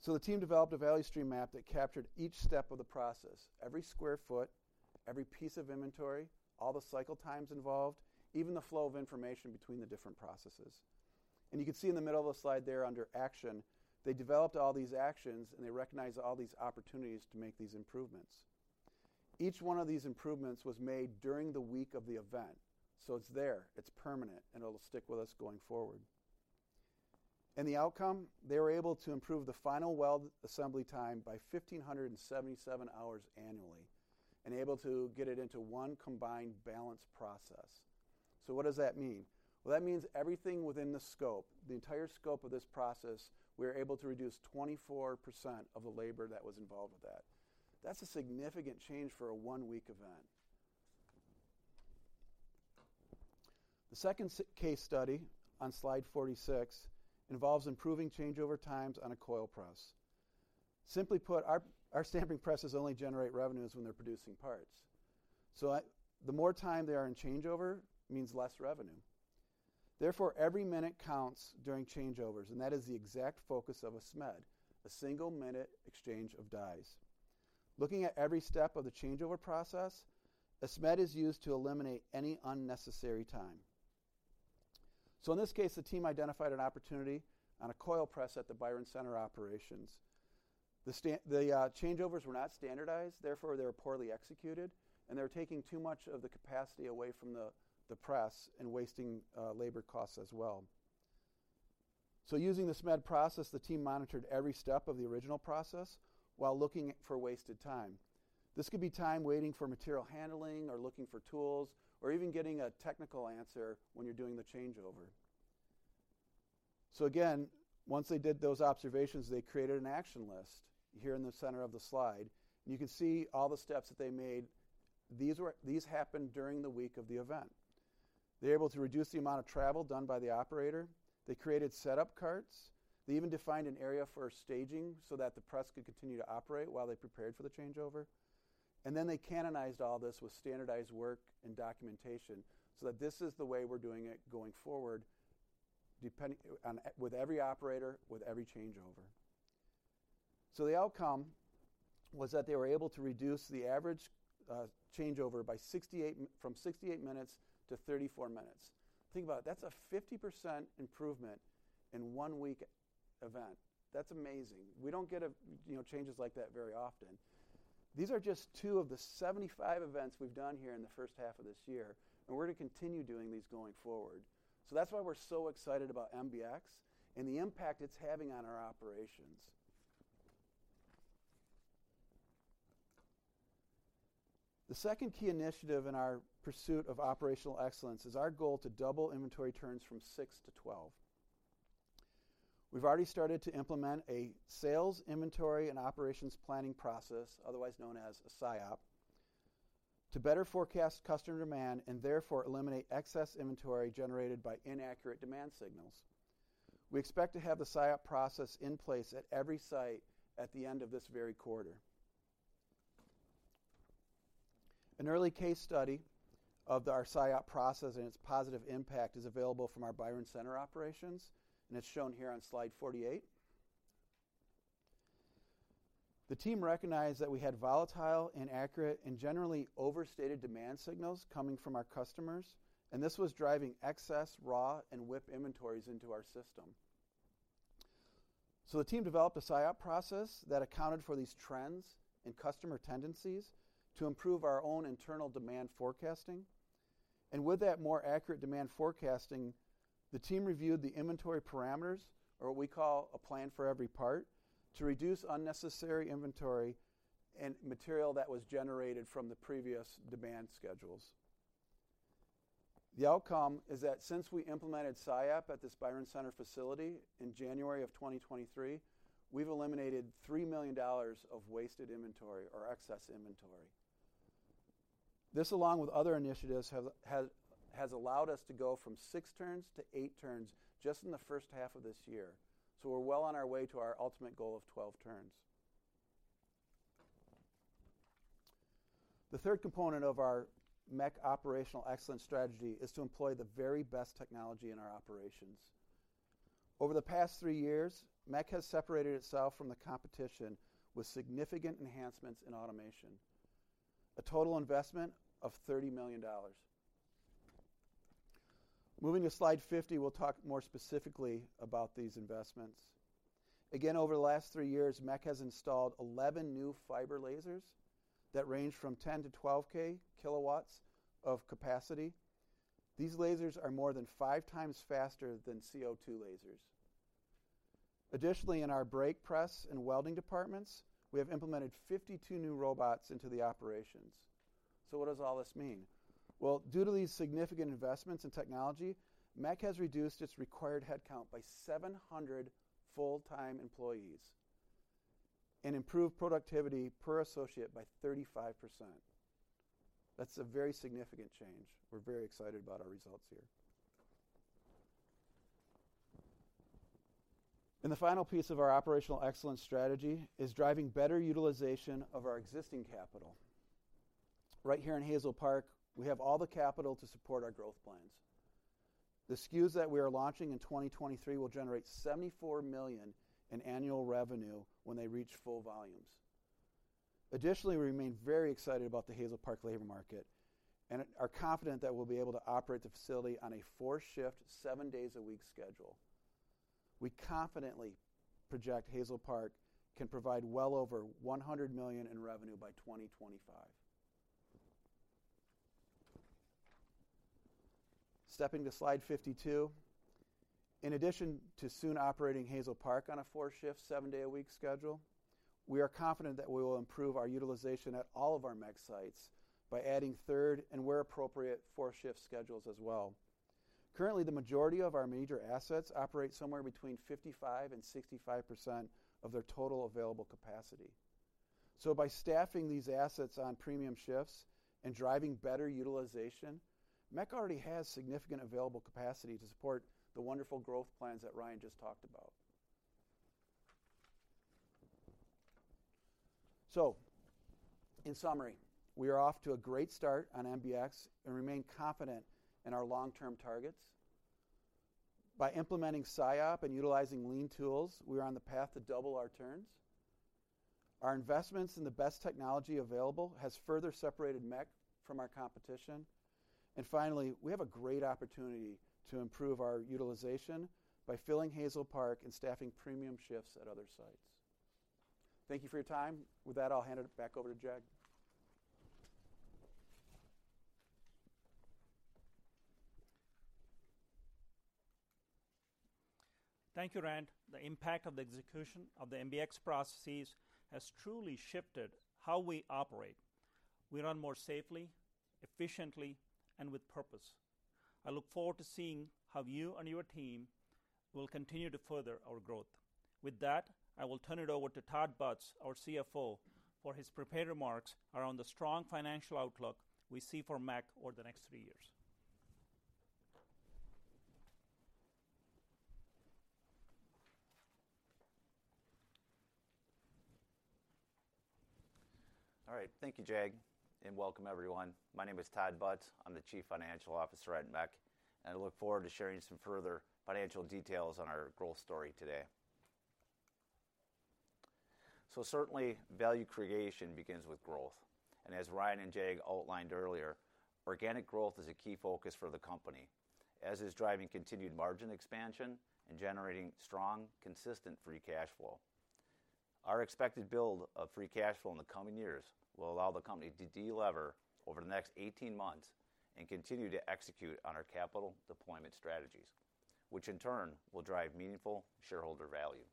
So the team developed a value stream map that captured each step of the process, every square foot, every piece of inventory, all the cycle times involved, even the flow of information between the different processes. And you can see in the middle of the slide there under Action, they developed all these actions, and they recognized all these opportunities to make these improvements. Each one of these improvements was made during the week of the event, so it's there, it's permanent, and it'll stick with us going forward. The outcome, they were able to improve the final weld assembly time by 1,577 hours annually and able to get it into one combined balanced process. So what does that mean? Well, that means everything within the scope, the entire scope of this process, we were able to reduce 24% of the labor that was involved with that. That's a significant change for a one-week event. The second case study on slide 46 involves improving changeover times on a coil press. Simply put, our stamping presses only generate revenues when they're producing parts. So, the more time they are in changeover means less revenue. Therefore, every minute counts during changeovers, and that is the exact focus of a SMED, a Single-Minute Exchange of Dies. Looking at every step of the changeover process, a SMED is used to eliminate any unnecessary time. So in this case, the team identified an opportunity on a coil press at the Byron Center operations. The changeovers were not standardized, therefore they were poorly executed, and they were taking too much of the capacity away from the press and wasting labor costs as well. So using the SMED process, the team monitored every step of the original process while looking for wasted time. This could be time waiting for material handling or looking for tools, or even getting a technical answer when you're doing the changeover. So again, once they did those observations, they created an action list here in the center of the slide. You can see all the steps that they made. These happened during the week of the event. They're able to reduce the amount of travel done by the operator. They created setup carts. They even defined an area for staging so that the press could continue to operate while they prepared for the changeover. And then they canonized all this with standardized work and documentation, so that this is the way we're doing it going forward with every operator, with every changeover. So the outcome was that they were able to reduce the average changeover from 68 minutes to 34 minutes. Think about it. That's a 50% improvement in one-week event. That's amazing. We don't get, you know, changes like that very often. These are just two of the 75 events we've done here in the first half of this year, and we're going to continue doing these going forward. So that's why we're so excited about MBX and the impact it's having on our operations. The second key initiative in our pursuit of operational excellence is our goal to double inventory turns from 6 to 12. We've already started to implement a Sales, Inventory, and Operations Planning process, otherwise known as a SIOP, to better forecast customer demand and therefore eliminate excess inventory generated by inaccurate demand signals. We expect to have the SIOP process in place at every site at the end of this very quarter. An early case study of our SIOP process and its positive impact is available from our Byron Center operations, and it's shown here on slide 48. The team recognized that we had volatile, inaccurate, and generally overstated demand signals coming from our customers, and this was driving excess raw and WIP inventories into our system. So the team developed a SIOP process that accounted for these trends and customer tendencies to improve our own internal demand forecasting. And with that more accurate demand forecasting, the team reviewed the inventory parameters, or what we call a plan for every part, to reduce unnecessary inventory and material that was generated from the previous demand schedules. The outcome is that since we implemented SIOP at the Byron Center facility in January of 2023, we've eliminated $3 million of wasted inventory or excess inventory. This, along with other initiatives, has allowed us to go from 6 turns to 8 turns just in the first half of this year. So we're well on our way to our ultimate goal of 12 turns. The third component of our MEC operational excellence strategy is to employ the very best technology in our operations. Over the past 3 years, MEC has separated itself from the competition with significant enhancements in automation, a total investment of $30 million. Moving to slide 50, we'll talk more specifically about these investments. Again, over the last three years, MEC has installed 11 new fiber lasers that range from 10-12 kW of capacity. These lasers are more than 5x faster than CO2 lasers. Additionally, in our brake press and welding departments, we have implemented 52 new robots into the operations. So what does all this mean? Well, due to these significant investments in technology, MEC has reduced its required headcount by 700 full-time employees and improved productivity per associate by 35%. That's a very significant change. We're very excited about our results here. The final piece of our operational excellence strategy is driving better utilization of our existing capital. Right here in Hazel Park, we have all the capital to support our growth plans. The SKUs that we are launching in 2023 will generate $74 million in annual revenue when they reach full volumes. Additionally, we remain very excited about the Hazel Park labor market and are confident that we'll be able to operate the facility on a four-shift, seven-days-a-week schedule. We confidently project Hazel Park can provide well over $100 million in revenue by 2025. Stepping to slide 52. In addition to soon operating Hazel Park on a four-shift, seven-day-a-week schedule, we are confident that we will improve our utilization at all of our MEC sites by adding third, and where appropriate, four-shift schedules as well. Currently, the majority of our major assets operate somewhere between 55%-65% of their total available capacity. So by staffing these assets on premium shifts and driving better utilization, MEC already has significant available capacity to support the wonderful growth plans that Ryan just talked about. So, in summary, we are off to a great start on MBX and remain confident in our long-term targets. By implementing SIOP and utilizing lean tools, we are on the path to double our turns. Our investments in the best technology available has further separated MEC from our competition. And finally, we have a great opportunity to improve our utilization by filling Hazel Park and staffing premium shifts at other sites. Thank you for your time. With that, I'll hand it back over to Jag. Thank you, Rand. The impact of the execution of the MBX processes has truly shifted how we operate. We run more safely, efficiently, and with purpose. I look forward to seeing how you and your team will continue to further our growth. With that, I will turn it over to Todd Butz, our CFO, for his prepared remarks around the strong financial outlook we see for MEC over the next three years. All right. Thank you, Jag, and welcome everyone. My name is Todd Butz. I'm the Chief Financial Officer at MEC, and I look forward to sharing some further financial details on our growth story today. Certainly, value creation begins with growth, and as Ryan and Jag outlined earlier, organic growth is a key focus for the company, as is driving continued margin expansion and generating strong, consistent free cash flow. Our expected build of free cash flow in the coming years will allow the company to delever over the next 18 months and continue to execute on our capital deployment strategies, which in turn will drive meaningful shareholder value.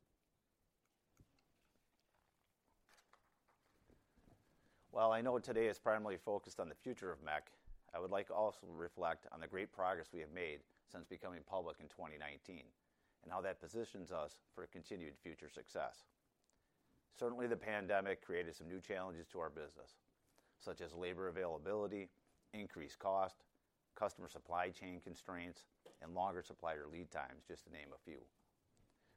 While I know today is primarily focused on the future of MEC, I would like to also reflect on the great progress we have made since becoming public in 2019, and how that positions us for continued future success. Certainly, the pandemic created some new challenges to our business, such as labor availability, increased cost, customer supply chain constraints, and longer supplier lead times, just to name a few.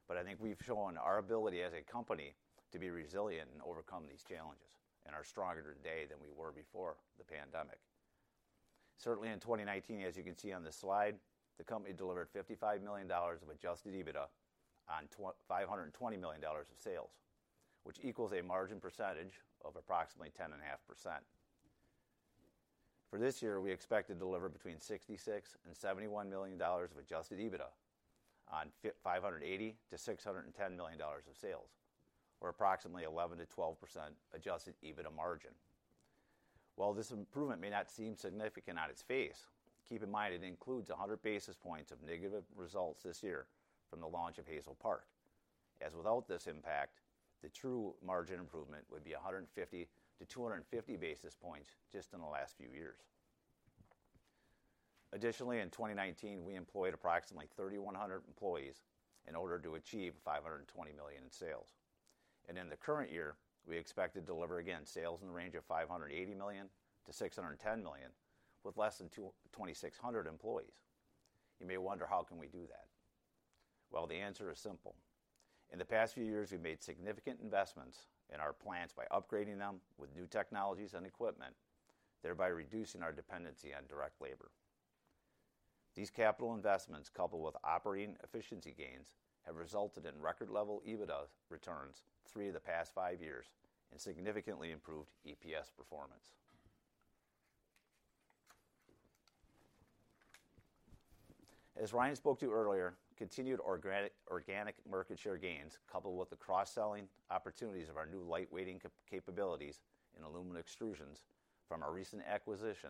But I think we've shown our ability as a company to be resilient and overcome these challenges, and are stronger today than we were before the pandemic. Certainly, in 2019, as you can see on this slide, the company delivered $55 million of Adjusted EBITDA on $520 million of sales, which equals a margin percentage of approximately 10.5%. For this year, we expect to deliver between $66 million and $71 million of Adjusted EBITDA on $580 million-$610 million of sales, or approximately 11%-12% Adjusted EBITDA margin. While this improvement may not seem significant on its face, keep in mind it includes 100 basis points of negative results this year from the launch of Hazel Park. As without this impact, the true margin improvement would be 150 basis points-250 basis points just in the last few years. Additionally, in 2019, we employed approximately 3,100 employees in order to achieve $520 million in sales. In the current year, we expect to deliver again, sales in the range of $580 million-$610 million, with less than 2,600 employees. You may wonder, how can we do that? Well, the answer is simple. In the past few years, we've made significant investments in our plants by upgrading them with new technologies and equipment, thereby reducing our dependency on direct labor. These capital investments, coupled with operating efficiency gains, have resulted in record-level EBITDA returns three of the past five years, and significantly improved EPS performance. As Ryan spoke to you earlier, continued organic, organic market share gains, coupled with the cross-selling opportunities of our new lightweighting capabilities in aluminum extrusions from our recent acquisition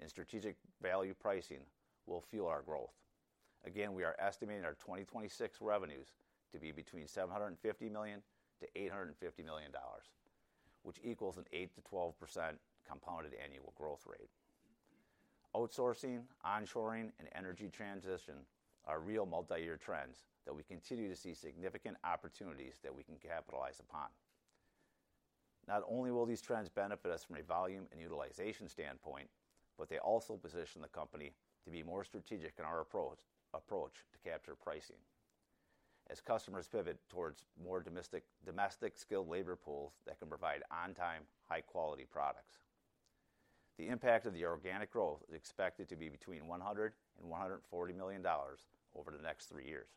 and strategic value pricing, will fuel our growth. Again, we are estimating our 2026 revenues to be between $750 million-$850 million, which equals an 8%-12% compounded annual growth rate. Outsourcing, onshoring, and energy transition are real multi-year trends that we continue to see significant opportunities that we can capitalize upon. Not only will these trends benefit us from a volume and utilization standpoint, but they also position the company to be more strategic in our approach, approach to capture pricing as customers pivot towards more domestic, domestic skilled labor pools that can provide on-time, high-quality products. The impact of the organic growth is expected to be between $100 million-$140 million over the next three years.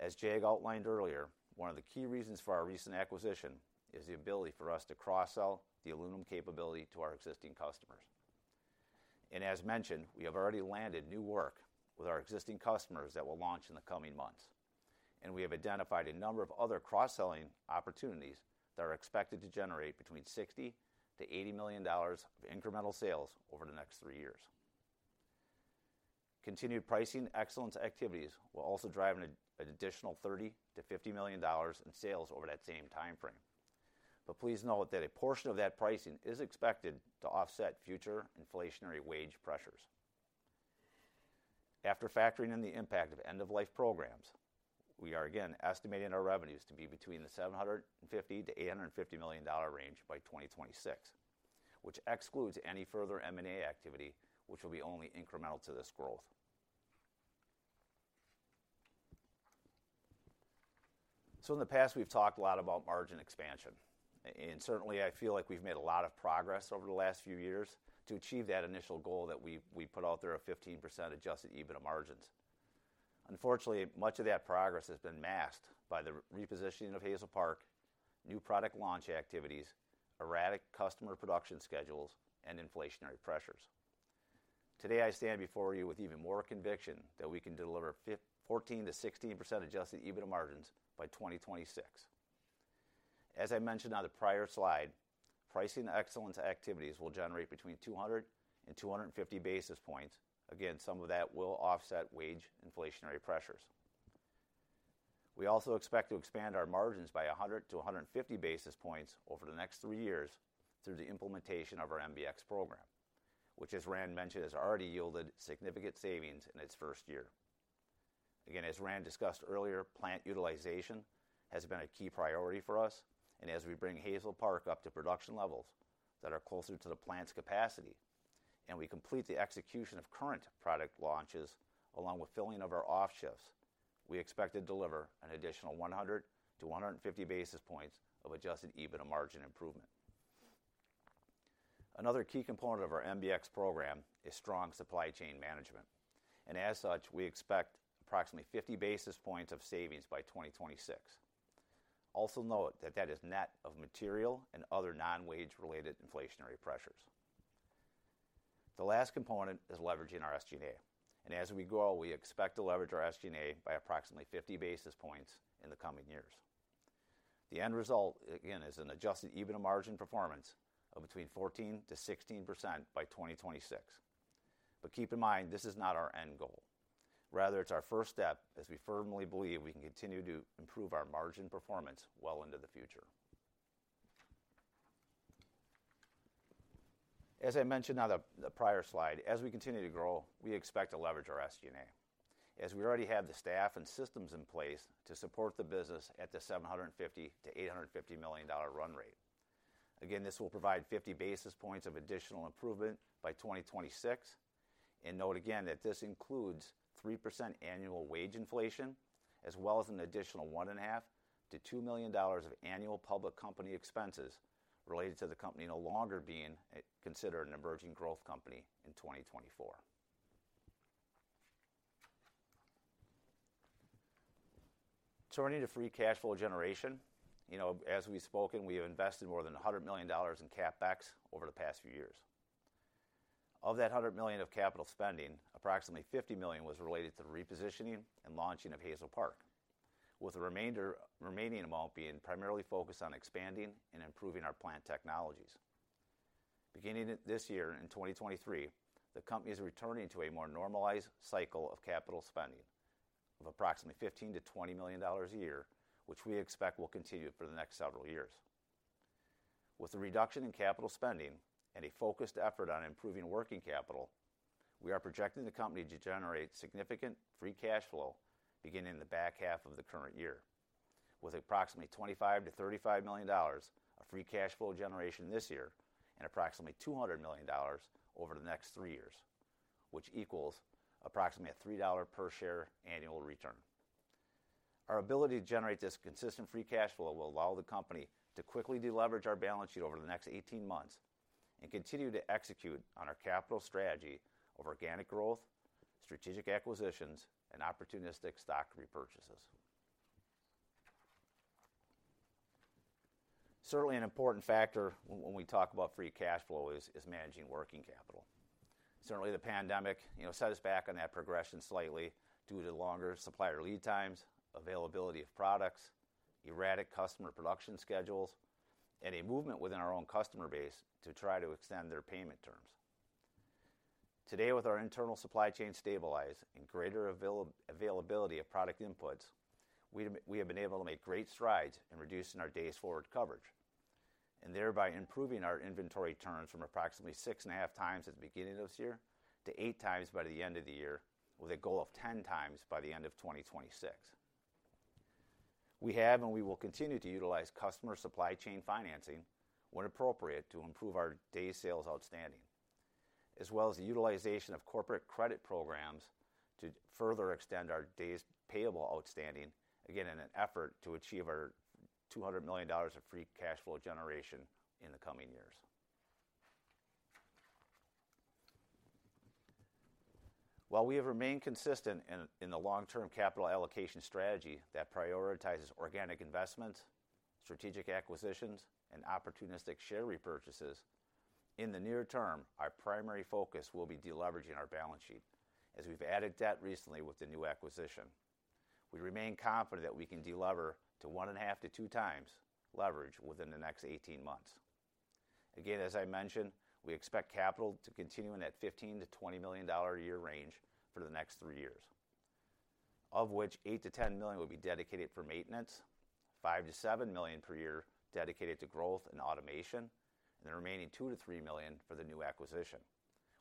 As Jag outlined earlier, one of the key reasons for our recent acquisition is the ability for us to cross-sell the aluminum capability to our existing customers. As mentioned, we have already landed new work with our existing customers that will launch in the coming months, and we have identified a number of other cross-selling opportunities that are expected to generate between $60-$80 million of incremental sales over the next three years. Continued pricing excellence activities will also drive an additional $30-$50 million in sales over that same time frame. But please note that a portion of that pricing is expected to offset future inflationary wage pressures. After factoring in the impact of end-of-life programs, we are again estimating our revenues to be between $750 million-$850 million by 2026, which excludes any further M&A activity, which will be only incremental to this growth. So in the past, we've talked a lot about margin expansion, and certainly I feel like we've made a lot of progress over the last few years to achieve that initial goal that we, we put out there of 15% Adjusted EBITDA margins. Unfortunately, much of that progress has been masked by the repositioning of Hazel Park, new product launch activities, erratic customer production schedules, and inflationary pressures. Today, I stand before you with even more conviction that we can deliver 14%-16% Adjusted EBITDA margins by 2026. As I mentioned on the prior slide, pricing excellence activities will generate between 200 basis points and 250 basis points. Again, some of that will offset wage inflationary pressures. We also expect to expand our margins by 100 basis points-150 basis points over the next three years through the implementation of our MBX program, which, as Rand mentioned, has already yielded significant savings in its first year. Again, as Rand discussed earlier, plant utilization has been a key priority for us, and as we bring Hazel Park up to production levels that are closer to the plant's capacity, and we complete the execution of current product launches, along with filling of our off shifts, we expect to deliver an additional 100 basis points-150 basis points of Adjusted EBITDA margin improvement. Another key component of our MBX program is strong supply chain management, and as such, we expect approximately 50 basis points of savings by 2026. Also note that that is net of material and other non-wage-related inflationary pressures. The last component is leveraging our SG&A, and as we grow, we expect to leverage our SG&A by approximately 50 basis points in the coming years. The end result, again, is an Adjusted EBITDA margin performance of between 14%-16% by 2026. But keep in mind, this is not our end goal. Rather, it's our first step, as we firmly believe we can continue to improve our margin performance well into the future. As I mentioned on the prior slide, as we continue to grow, we expect to leverage our SG&A, as we already have the staff and systems in place to support the business at the $750 million-$850 million run rate. Again, this will provide 50 basis points of additional improvement by 2026, and note again that this includes 3% annual wage inflation, as well as an additional $1.5 million-$2 million of annual public company expenses related to the company no longer being considered an emerging growth company in 2024. Turning to free cash flow generation, you know, as we've spoken, we have invested more than $100 million in CapEx over the past few years. Of that $100 million of capital spending, approximately $50 million was related to the repositioning and launching of Hazel Park, with the remainder, remaining amount being primarily focused on expanding and improving our plant technologies. Beginning this year, in 2023, the company is returning to a more normalized cycle of capital spending of approximately $15 million-$20 million a year, which we expect will continue for the next several years. With the reduction in capital spending and a focused effort on improving working capital, we are projecting the company to generate significant free cash flow beginning in the back half of the current year, with approximately $25 million-$35 million of free cash flow generation this year and approximately $200 million over the next 3 years, which equals approximately a $3 per share annual return. Our ability to generate this consistent free cash flow will allow the company to quickly deleverage our balance sheet over the next 18 months and continue to execute on our capital strategy of organic growth, strategic acquisitions, and opportunistic stock repurchases. Certainly an important factor when we talk about free cash flow is managing working capital. Certainly, the pandemic, you know, set us back on that progression slightly due to longer supplier lead times, availability of products, erratic customer production schedules, and a movement within our own customer base to try to extend their payment terms. Today, with our internal supply chain stabilized and greater availability of product inputs, we have been able to make great strides in reducing our days' forward coverage, and thereby improving our inventory turns from approximately 6.5x at the beginning of this year to 8x by the end of the year, with a goal of 10x by the end of 2026. We have, and we will continue to utilize customer supply chain financing when appropriate, to improve our Days Sales Outstanding, as well as the utilization of corporate credit programs to further extend our Days Payable Outstanding, again, in an effort to achieve our $200 million of free cash flow generation in the coming years. While we have remained consistent in the long-term capital allocation strategy that prioritizes organic investments, strategic acquisitions, and opportunistic share repurchases, in the near term, our primary focus will be deleveraging our balance sheet, as we've added debt recently with the new acquisition. We remain confident that we can delever to 1.5x-2x leverage within the next 18 months. Again, as I mentioned, we expect capital to continue in that $15 million-$20 million a year range for the next three years, of which $8 million-$10 million will be dedicated for maintenance, $5 million-$7 million per year dedicated to growth and automation, and the remaining $2 million-$3 million for the new acquisition,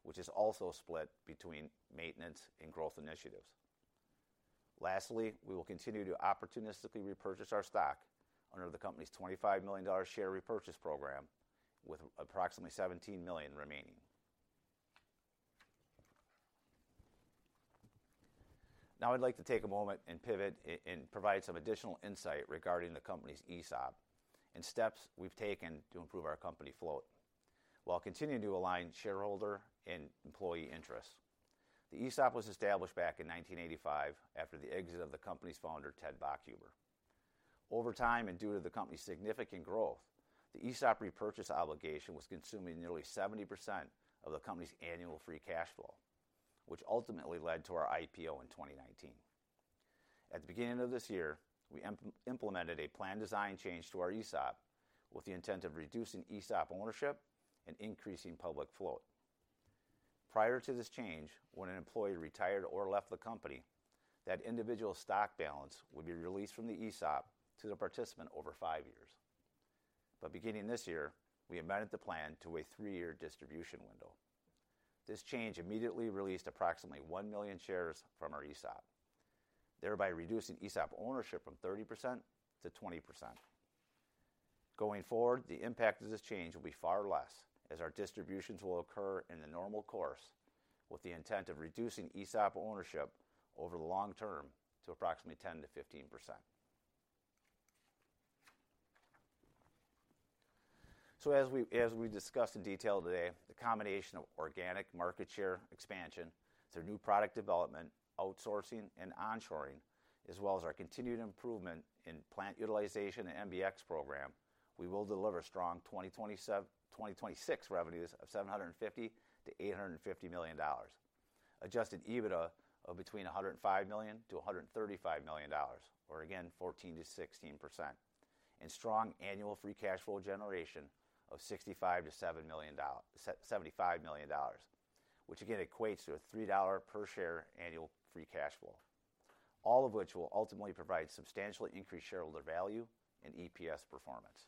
which is also split between maintenance and growth initiatives. Lastly, we will continue to opportunistically repurchase our stock under the company's $25 million share repurchase program, with approximately $17 million remaining. Now, I'd like to take a moment and pivot and provide some additional insight regarding the company's ESOP and steps we've taken to improve our company float, while continuing to align shareholder and employee interests. The ESOP was established back in 1985 after the exit of the company's founder, Ted Bachhuber. Over time, and due to the company's significant growth, the ESOP repurchase obligation was consuming nearly 70% of the company's annual free cash flow, which ultimately led to our IPO in 2019. At the beginning of this year, we implemented a plan design change to our ESOP with the intent of reducing ESOP ownership and increasing public float. Prior to this change, when an employee retired or left the company, that individual's stock balance would be released from the ESOP to the participant over five years. But beginning this year, we amended the plan to a three-year distribution window. This change immediately released approximately 1 million shares from our ESOP, thereby reducing ESOP ownership from 30% to 20%. Going forward, the impact of this change will be far less, as our distributions will occur in the normal course, with the intent of reducing ESOP ownership over the long term to approximately 10%-15%. So as we, as we discussed in detail today, the combination of organic market share expansion through new product development, outsourcing, and onshoring, as well as our continued improvement in plant utilization and MBX program, we will deliver strong 2026 revenues of $750 million-$850 million. Adjusted EBITDA of between $105 million-$135 million, or again, 14%-16%. And strong annual free cash flow generation of $65 million-$75 million, which again equates to a $3 per share annual free cash flow. All of which will ultimately provide substantially increased shareholder value and EPS performance.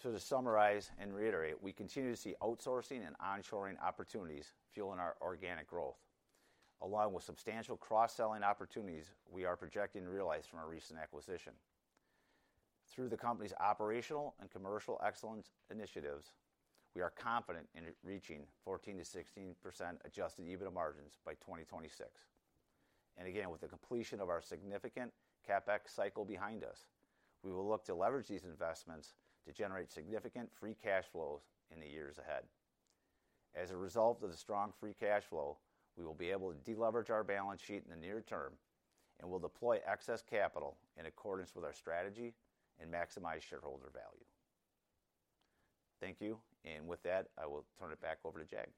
So to summarize and reiterate, we continue to see outsourcing and onshoring opportunities fueling our organic growth. Along with substantial cross-selling opportunities, we are projecting to realize from our recent acquisition. Through the company's operational and commercial excellence initiatives, we are confident in it reaching 14%-16% Adjusted EBITDA margins by 2026. And again, with the completion of our significant CapEx cycle behind us, we will look to leverage these investments to generate significant free cash flows in the years ahead. As a result of the strong free cash flow, we will be able to deleverage our balance sheet in the near term, and we'll deploy excess capital in accordance with our strategy and maximize shareholder value. Thank you, and with that, I will turn it back over to Jag.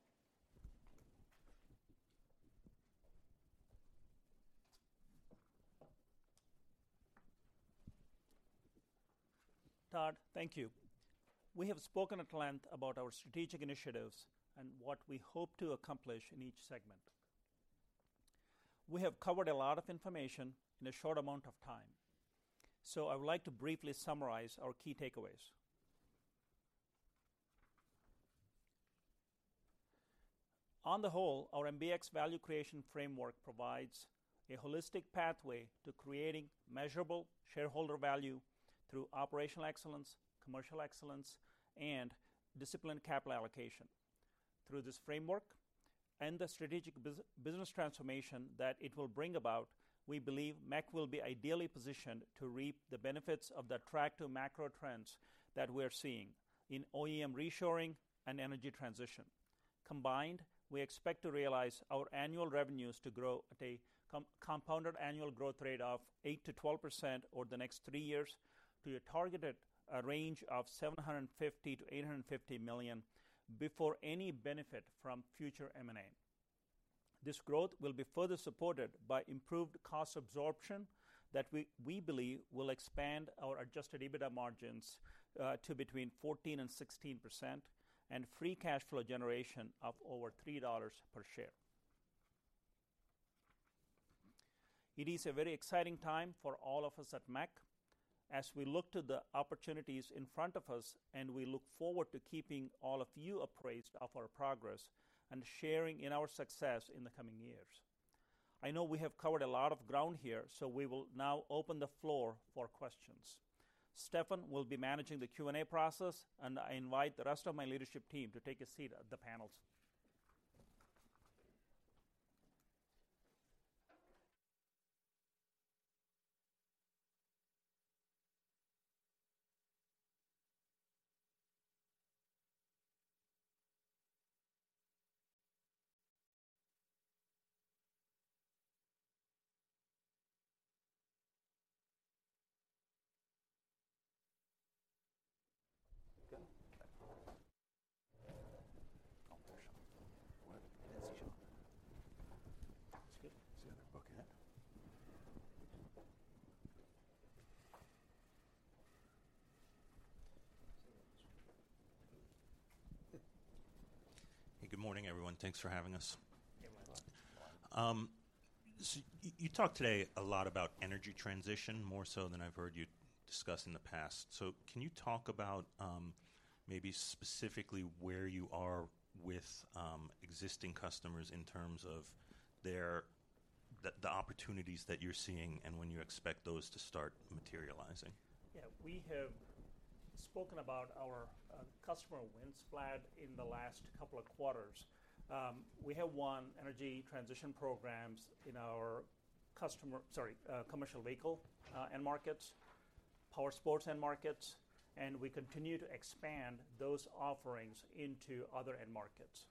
Todd, thank you. We have spoken at length about our strategic initiatives and what we hope to accomplish in each segment. We have covered a lot of information in a short amount of time, so I would like to briefly summarize our key takeaways. On the whole, our MBX value creation framework provides a holistic pathway to creating measurable shareholder value through operational excellence, commercial excellence, and disciplined capital allocation. Through this framework and the strategic business transformation that it will bring about, we believe MEC will be ideally positioned to reap the benefits of the attractive macro trends that we're seeing in OEM reshoring and energy transition. Combined, we expect to realize our annual revenues to grow at a compounded annual growth rate of 8%-12% over the next three years, to a targeted range of $750 million-$850 million before any benefit from future M&A. This growth will be further supported by improved cost absorption, that we, we believe will expand our Adjusted EBITDA margins to between 14% and 16%, and free cash flow generation of over $3 per share. It is a very exciting time for all of us at MEC, as we look to the opportunities in front of us, and we look forward to keeping all of you appraised of our progress and sharing in our success in the coming years. I know we have covered a lot of ground here, so we will now open the floor for questions. Stefan will be managing the Q&A process, and I invite the rest of my leadership team to take a seat at the panels. Good. Oh, there's Sean. What? That's Sean. It's good. Is he up in the bucket? Hey, good morning, everyone. Thanks for having us. Yeah, my welcome. So you talked today a lot about energy transition, more so than I've heard you discuss in the past. So can you talk about, maybe specifically where you are with existing customers in terms of their, the opportunities that you're seeing and when you expect those to start materializing? Yeah, we have spoken about our customer wins flat in the last couple of quarters. We have won energy transition programs in our commercial vehicle end markets, powersports and markets, and we continue to expand those offerings into other end markets.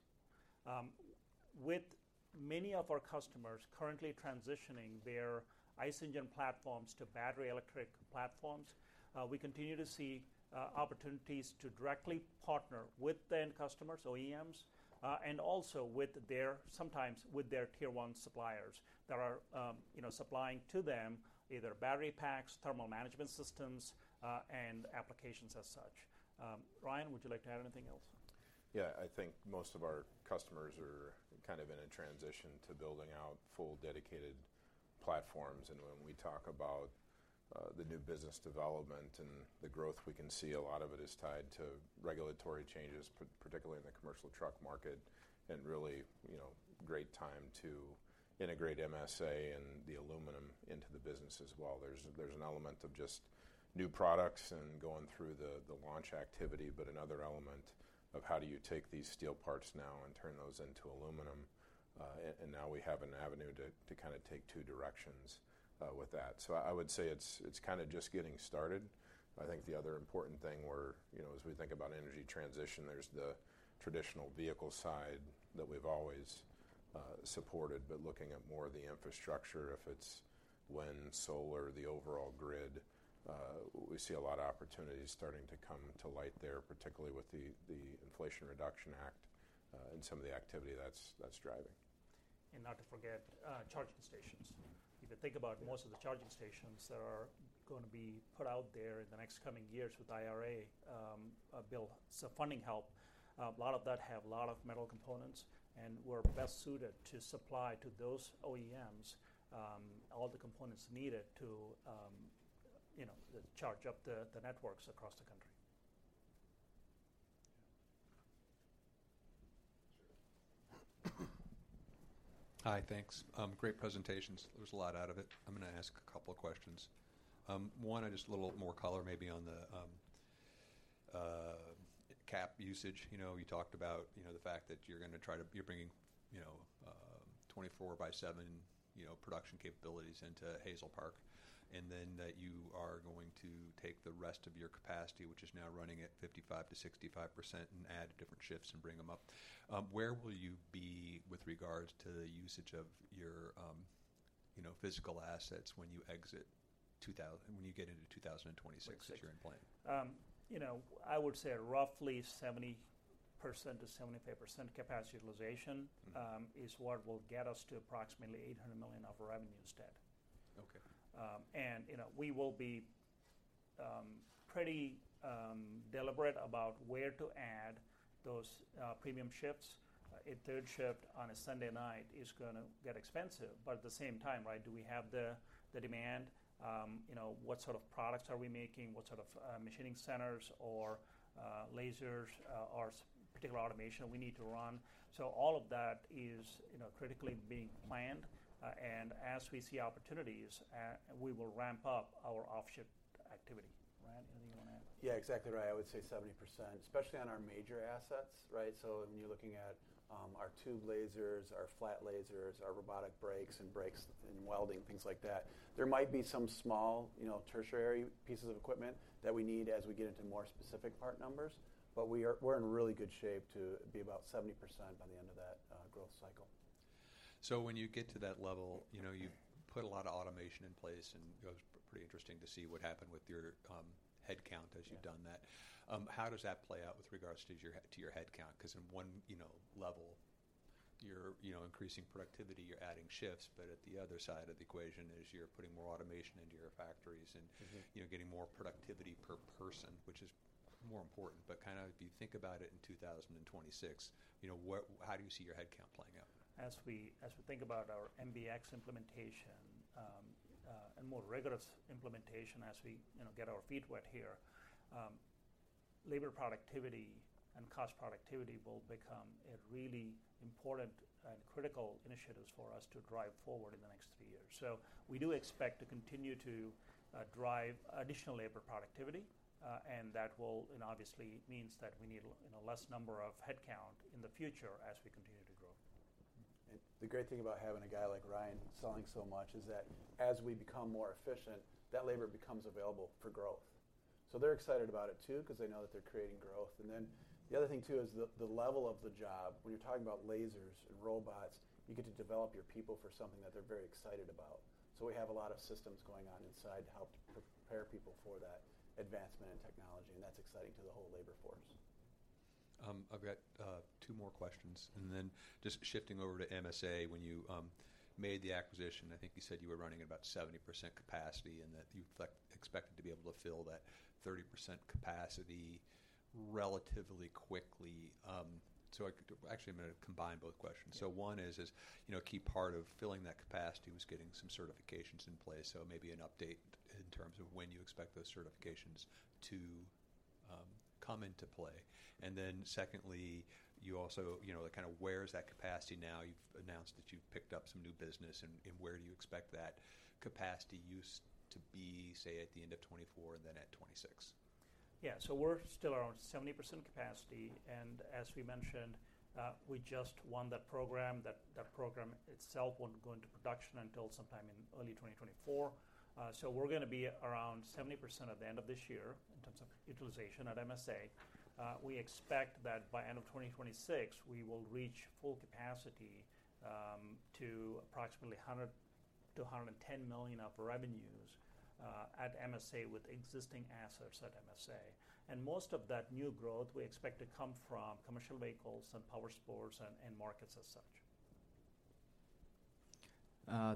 With many of our customers currently transitioning their ICE engine platforms to battery electric platforms, we continue to see opportunities to directly partner with the end customers, OEMs, and also with their, sometimes with their Tier 1 suppliers that are, you know, supplying to them either battery packs, thermal management systems, and applications as such. Ryan, would you like to add anything else? Yeah. I think most of our customers are kind of in a transition to building out full, dedicated platforms. And when we talk about the new business development and the growth, we can see a lot of it is tied to regulatory changes, particularly in the commercial truck market, and really, you know, great time to integrate MSA and the aluminum into the business as well. There's an element of just new products and going through the launch activity, but another element of how do you take these steel parts now and turn those into aluminum? And now we have an avenue to kind of take two directions with that. So I would say it's kind of just getting started. I think the other important thing we're, you know, as we think about energy transition, there's the traditional vehicle side that we've always supported, but looking at more of the infrastructure, if it's wind, solar, the overall grid, we see a lot of opportunities starting to come to light there, particularly with the Inflation Reduction Act, and some of the activity that's driving. And not to forget, charging stations. If you think about most of the charging stations that are going to be put out there in the next coming years with IRA, a bill, so funding help, a lot of that have a lot of metal components, and we're best suited to supply to those OEMs, all the components needed to, you know, charge up the networks across the country. Sure. Hi, thanks. Great presentations. There's a lot out of it. I'm gonna ask a couple of questions. One, just a little more color maybe on the cap usage. You know, you talked about, you know, the fact that you're gonna try to, you're bringing, you know, 24/7 production capabilities into Hazel Park. And then that you are going to take the rest of your capacity, which is now running at 55%-65%, and add different shifts and bring them up. Where will you be with regards to the usage of your, you know, physical assets when you exit when you get into 2026, as you're in plan? You know, I would say roughly 70%-75% capacity utilization. Mm-hmm Is what will get us to approximately $800 million of revenue instead. Okay. And, you know, we will be pretty deliberate about where to add those premium shifts. A third shift on a Sunday night is gonna get expensive, but at the same time, right, do we have the demand? You know, what sort of products are we making? What sort of machining centers or lasers or particular automation we need to run? So all of that is, you know, critically being planned, and as we see opportunities, we will ramp up our off-shift activity. Rand, anything you wanna add? Yeah, exactly right. I would say 70%, especially on our major assets, right? So when you're looking at our tube lasers, our flat lasers, our robotic brakes and brakes and welding, things like that. There might be some small, you know, tertiary pieces of equipment that we need as we get into more specific part numbers, but we're in really good shape to be about 70% by the end of that growth cycle. So when you get to that level, you know, you've put a lot of automation in place, and it was pretty interesting to see what happened with your headcount as you've done that. How does that play out with regards to your headcount? Because on one, you know, level, you're, you know, increasing productivity, you're adding shifts, but at the other side of the equation is you're putting more automation into your factories and- Mm-hmm -you know, getting more productivity per person, which is more important. But kinda if you think about it in 2026, you know, what, how do you see your headcount playing out? As we think about our MBX implementation, and more rigorous implementation as we, you know, get our feet wet here, labor productivity and cost productivity will become a really important and critical initiatives for us to drive forward in the next three years. So we do expect to continue to drive additional labor productivity, and that will, and obviously means that we need a less number of headcount in the future as we continue to grow. The great thing about having a guy like Ryan selling so much is that as we become more efficient, that labor becomes available for growth. So they're excited about it, too, because they know that they're creating growth. And then the other thing, too, is the level of the job. When you're talking about lasers and robots, you get to develop your people for something that they're very excited about. So we have a lot of systems going on inside to help to prepare people for that advancement in technology, and that's exciting to the whole labor force. I've got two more questions, and then just shifting over to MSA. When you made the acquisition, I think you said you were running at about 70% capacity and that you expected to be able to fill that 30% capacity relatively quickly. Actually, I'm gonna combine both questions. So one is, you know, a key part of filling that capacity was getting some certifications in place, so maybe an update in terms of when you expect those certifications to come into play. And then secondly, you also, you know, kind of where is that capacity now? You've announced that you've picked up some new business, and where do you expect that capacity use to be, say, at the end of 2024 and then at 2026? Yeah. So we're still around 70% capacity, and as we mentioned, we just won that program. That program itself won't go into production until sometime in early 2024. So we're gonna be around 70% at the end of this year in terms of utilization at MSA. We expect that by end of 2026, we will reach full capacity to approximately $100 million-$110 million of revenues at MSA with existing assets at MSA. And most of that new growth, we expect to come from commercial vehicles and powersports and markets as such.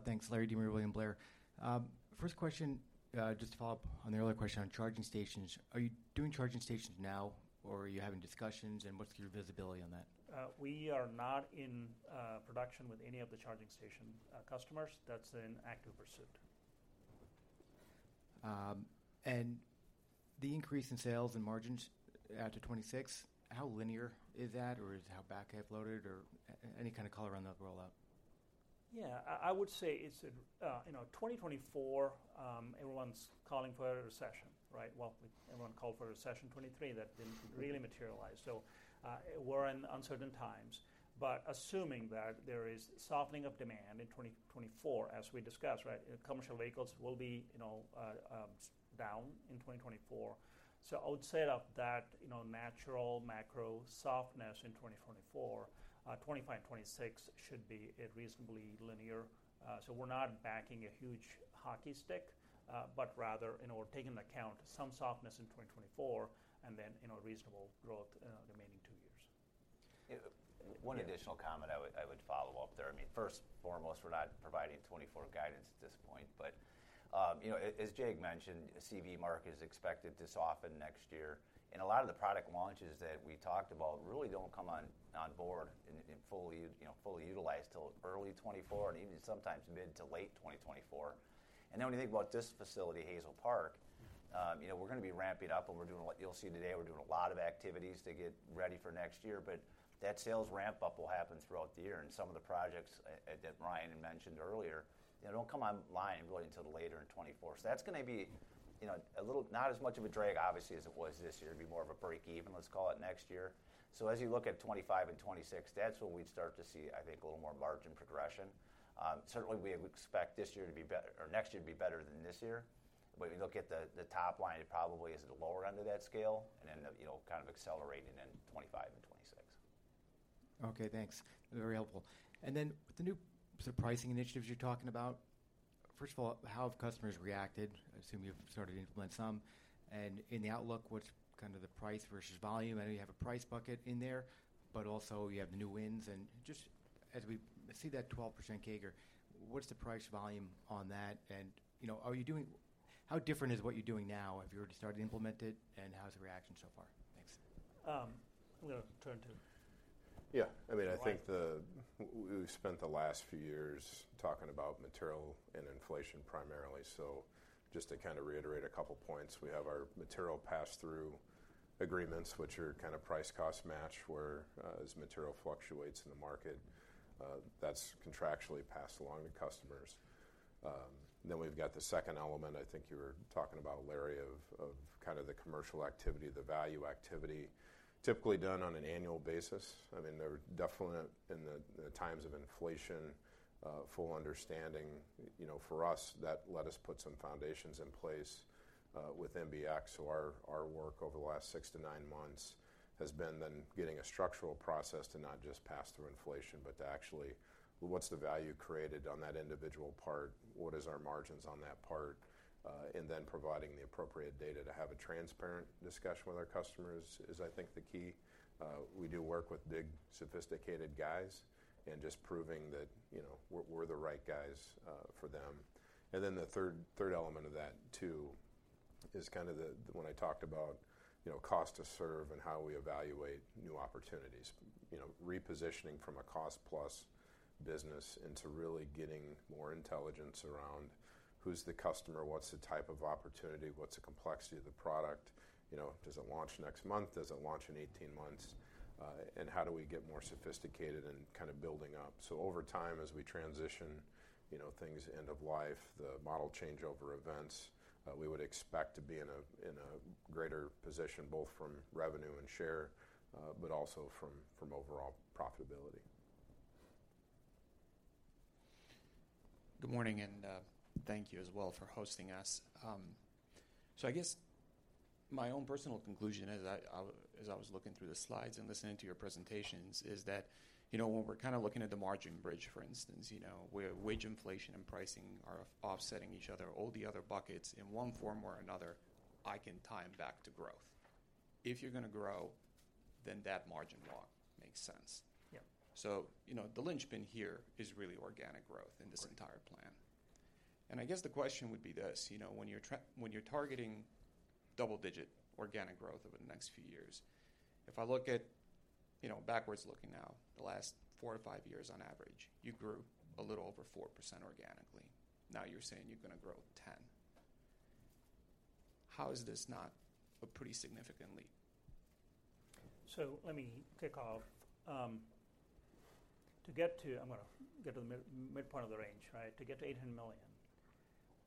Thanks, Larry De Maria, William Blair. First question, just to follow up on the earlier question on charging stations. Are you doing charging stations now, or are you having discussions, and what's your visibility on that? We are not in production with any of the charging station customers. That's in active pursuit. And the increase in sales and margins out to 2026, how linear is that, or is how back-end loaded, or any kind of color on the rollout? Yeah, I would say it's, you know, 2024, everyone's calling for a recession, right? Well, everyone called for a recession in 2023, that didn't really materialize. So, we're in uncertain times, but assuming that there is softening of demand in 2024, as we discussed, right, commercial vehicles will be, you know, down in 2024. So I would say that, you know, natural macro softness in 2024, 2025, 2026 should be a reasonable year. So we're not backing a huge hockey stick, but rather, you know, we're taking into account some softness in 2024, and then, you know, reasonable growth, the remaining two years. Yeah, one additional comment I would follow up there. I mean, first and foremost, we're not providing 2024 guidance at this point, but, you know, as Jag mentioned, the CV market is expected to soften next year. And a lot of the product launches that we talked about really don't come on board and fully, you know, fully utilized till early 2024, and even sometimes mid to late 2024. And then when you think about this facility, Hazel Park, you know, we're gonna be ramping up, and we're doing a lot. You'll see today, we're doing a lot of activities to get ready for next year, but that sales ramp-up will happen throughout the year. And some of the projects that Ryan had mentioned earlier, you know, don't come online really until later in 2024. So that's gonna be, you know, a little not as much of a drag, obviously, as it was this year. It'll be more of a break even, let's call it next year. So as you look at 2025 and 2026, that's when we'd start to see, I think, a little more margin progression. Certainly, we would expect this year to be better or next year to be better than this year. But when you look at the top line, it probably is at the lower end of that scale and then, you know, kind of accelerating in 2025 and 2026. Okay, thanks. Very helpful. And then with the new surprising initiatives you're talking about, first of all, how have customers reacted? I assume you've started to implement some. And in the outlook, what's kind of the price versus volume? I know you have a price bucket in there, but also you have the new wins. And just as we see that 12% CAGR, what's the price volume on that? And, you know, are you doing? How different is what you're doing now? Have you already started to implement it, and how is the reaction so far? Thanks. I'm gonna turn to- Yeah. I mean, I think the- Ryan -we've spent the last few years talking about material and inflation primarily. So just to kind of reiterate a couple points, we have our material pass-through agreements, which are kind of price cost match, where, as material fluctuates in the market, that's contractually passed along to customers. Then we've got the second element, I think you were talking about, Larry, of, of kind of the commercial activity, the value activity, typically done on an annual basis. I mean, they're definitely in the, the times of inflation, full understanding, you know, for us, that let us put some foundations in place, with MBX, our work over the last 6 months-9 months has been then getting a structural process to not just pass through inflation, but to actually, well, what's the value created on that individual part? What is our margins on that part? And then providing the appropriate data to have a transparent discussion with our customers is, I think, the key. We do work with big, sophisticated guys and just proving that, you know, we're, we're the right guys, for them. And then the third, third element of that, too, is kind of the, when I talked about, you know, cost to serve and how we evaluate new opportunities. You know, repositioning from a cost-plus business into really getting more intelligence around who's the customer, what's the type of opportunity, what's the complexity of the product? You know, does it launch next month? Does it launch in 18 months? And how do we get more sophisticated in kind of building up? So over time, as we transition, you know, things end of life, the model changeover events, we would expect to be in a, in a greater position, both from revenue and share, but also from, from overall profitability. Good morning, and thank you as well for hosting us. So I guess my own personal conclusion, as I was looking through the slides and listening to your presentations, is that, you know, when we're kind of looking at the margin bridge, for instance, you know, where wage inflation and pricing are offsetting each other, all the other buckets in one form or another, I can tie them back to growth. If you're gonna grow, then that margin walk makes sense. Yeah. So, you know, the linchpin here is really organic growth- Right -in this entire plan. And I guess the question would be this: you know, when you're targeting double-digit organic growth over the next few years, if I look at, you know, backwards looking now, the last four or five years on average, you grew a little over 4% organically. Now, you're saying you're gonna grow 10. How is this not a pretty significant leap? So let me kick off. To get to, I'm gonna get to the mid, mid part of the range, right? To get to $800 million,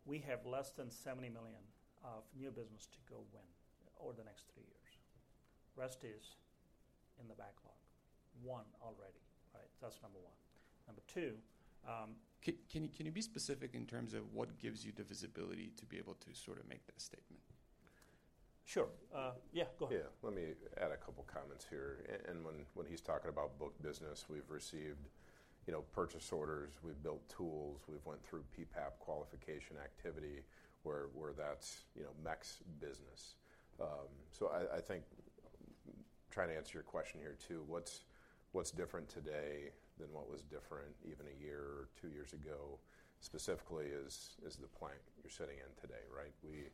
we have less than $70 million of new business to go win over the next three years. The rest is in the backlog. One already, right? That's number one. Number two, Can you be specific in terms of what gives you the visibility to be able to sort of make that statement? Sure. Yeah, go ahead. Yeah, let me add a couple comments here. And when, when he's talking about booked business, we've received, you know, purchase orders, we've built tools, we've went through PPAP qualification activity, where, where that's, you know, MEC's business. So I think trying to answer your question here, too, what's, what's different today than what was different even a year or two years ago, specifically is, is the plant you're sitting in today, right? We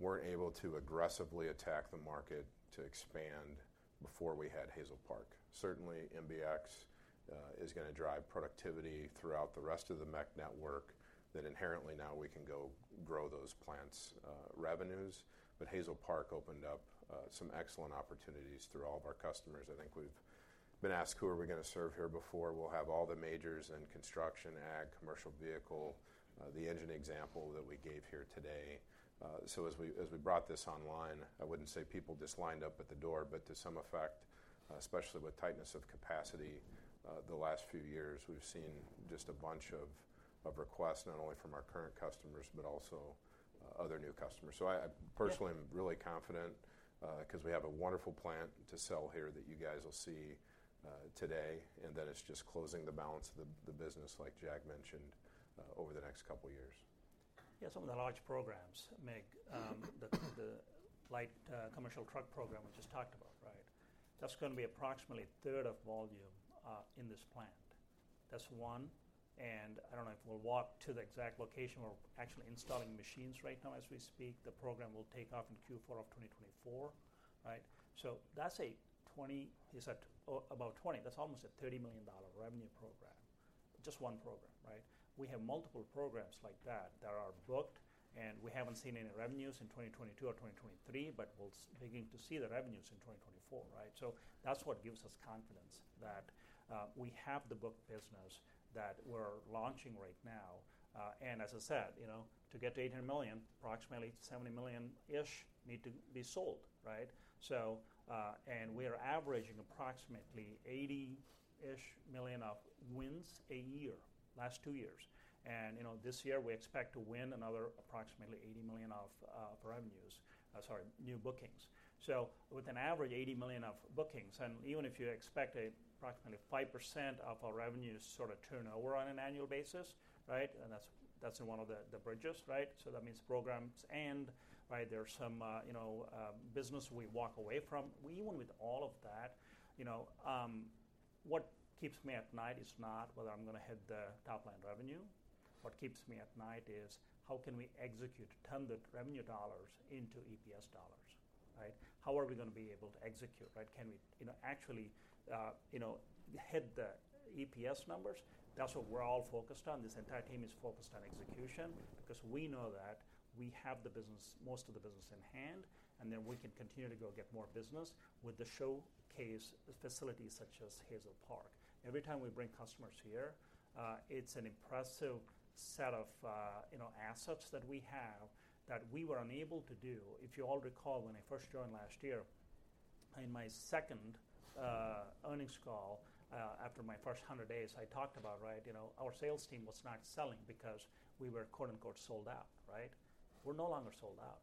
weren't able to aggressively attack the market to expand before we had Hazel Park. Certainly, MBX is gonna drive productivity throughout the rest of the MEC network, that inherently now we can go grow those plants' revenues. But Hazel Park opened up some excellent opportunities through all of our customers. I think we've been asked, who are we gonna serve here before? We'll have all the majors in construction, ag, commercial vehicle, the engine example that we gave here today. So as we, as we brought this online, I wouldn't say people just lined up at the door, but to some effect, especially with tightness of capacity, the last few years, we've seen just a bunch of requests, not only from our current customers, but also, other new customers. So I, I personally- Yeah... am really confident, because we have a wonderful plant to sell here that you guys will see today, and then it's just closing the balance of the business, like Jag mentioned, over the next couple of years. Yeah, some of the large programs, Mig, the, the light commercial truck program we just talked about, right? That's gonna be approximately a third of volume in this plant. That's one, and I don't know if we'll walk to the exact location. We're actually installing machines right now as we speak. The program will take off in Q4 of 2024, right? So that's a twenty, it's at, about twenty, that's almost a $30 million revenue program. Just one program, right? We have multiple programs like that, that are booked, and we haven't seen any revenues in 2022 or 2023, but we'll begin to see the revenues in 2024, right? So that's what gives us confidence that we have the booked business that we're launching right now, and as I said, you know, to get to $800 million, approximately $70 million-ish need to be sold, right? So, and we are averaging approximately 80-ish million of wins a year, last two years. And, you know, this year, we expect to win another approximately $80 million of, revenues, sorry, new bookings. So with an average $80 million of bookings, and even if you expect approximately 5% of our revenues sort of turn over on an annual basis, right? And that's, that's in one of the, the bridges, right? So that means programs, and right, there are some, you know, business we walk away from. Even with all of that, you know, what keeps me at night is not whether I'm gonna hit the top line revenue. What keeps me at night is, how can we execute, turn the revenue dollars into EPS dollars, right? How are we gonna be able to execute, right? Can we, you know, actually, you know, hit the EPS numbers? That's what we're all focused on. This entire team is focused on execution because we know that we have the business, most of the business in hand, and then we can continue to go get more business with the showcase facilities such as Hazel Park. Every time we bring customers here, it's an impressive set of, you know, assets that we have that we were unable to do. If you all recall, when I first joined last year, in my second earnings call after my first 100 days, I talked about, right, you know, our sales team was not selling because we were "sold out," right? We're no longer sold out.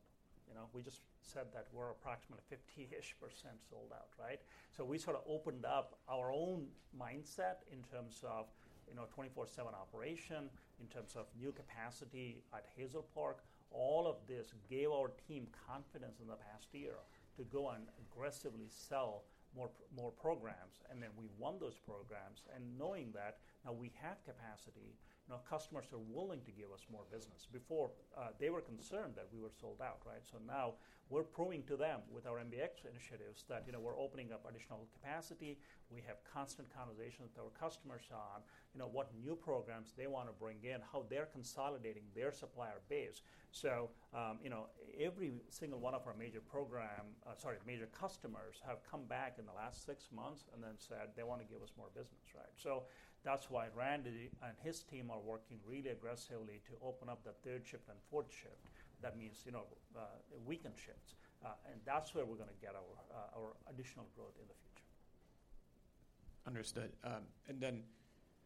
You know, we just said that we're approximately 50-ish% sold out, right? So we sort of opened up our own mindset in terms of, you know, 24/7 operation, in terms of new capacity at Hazel Park. All of this gave our team confidence in the past year to go and aggressively sell more more programs, and then we won those programs. And knowing that, now we have capacity, now customers are willing to give us more business. Before, they were concerned that we were sold out, right? So now we're proving to them with our MBX initiatives that, you know, we're opening up additional capacity. We have constant conversations with our customers on, you know, what new programs they wanna bring in, how they're consolidating their supplier base. So, you know, every single one of our major customers have come back in the last six months and then said they wanna give us more business, right? So that's why Randy and his team are working really aggressively to open up the third shift and fourth shift. That means, you know, weekend shifts, and that's where we're gonna get our additional growth in the future. Understood. And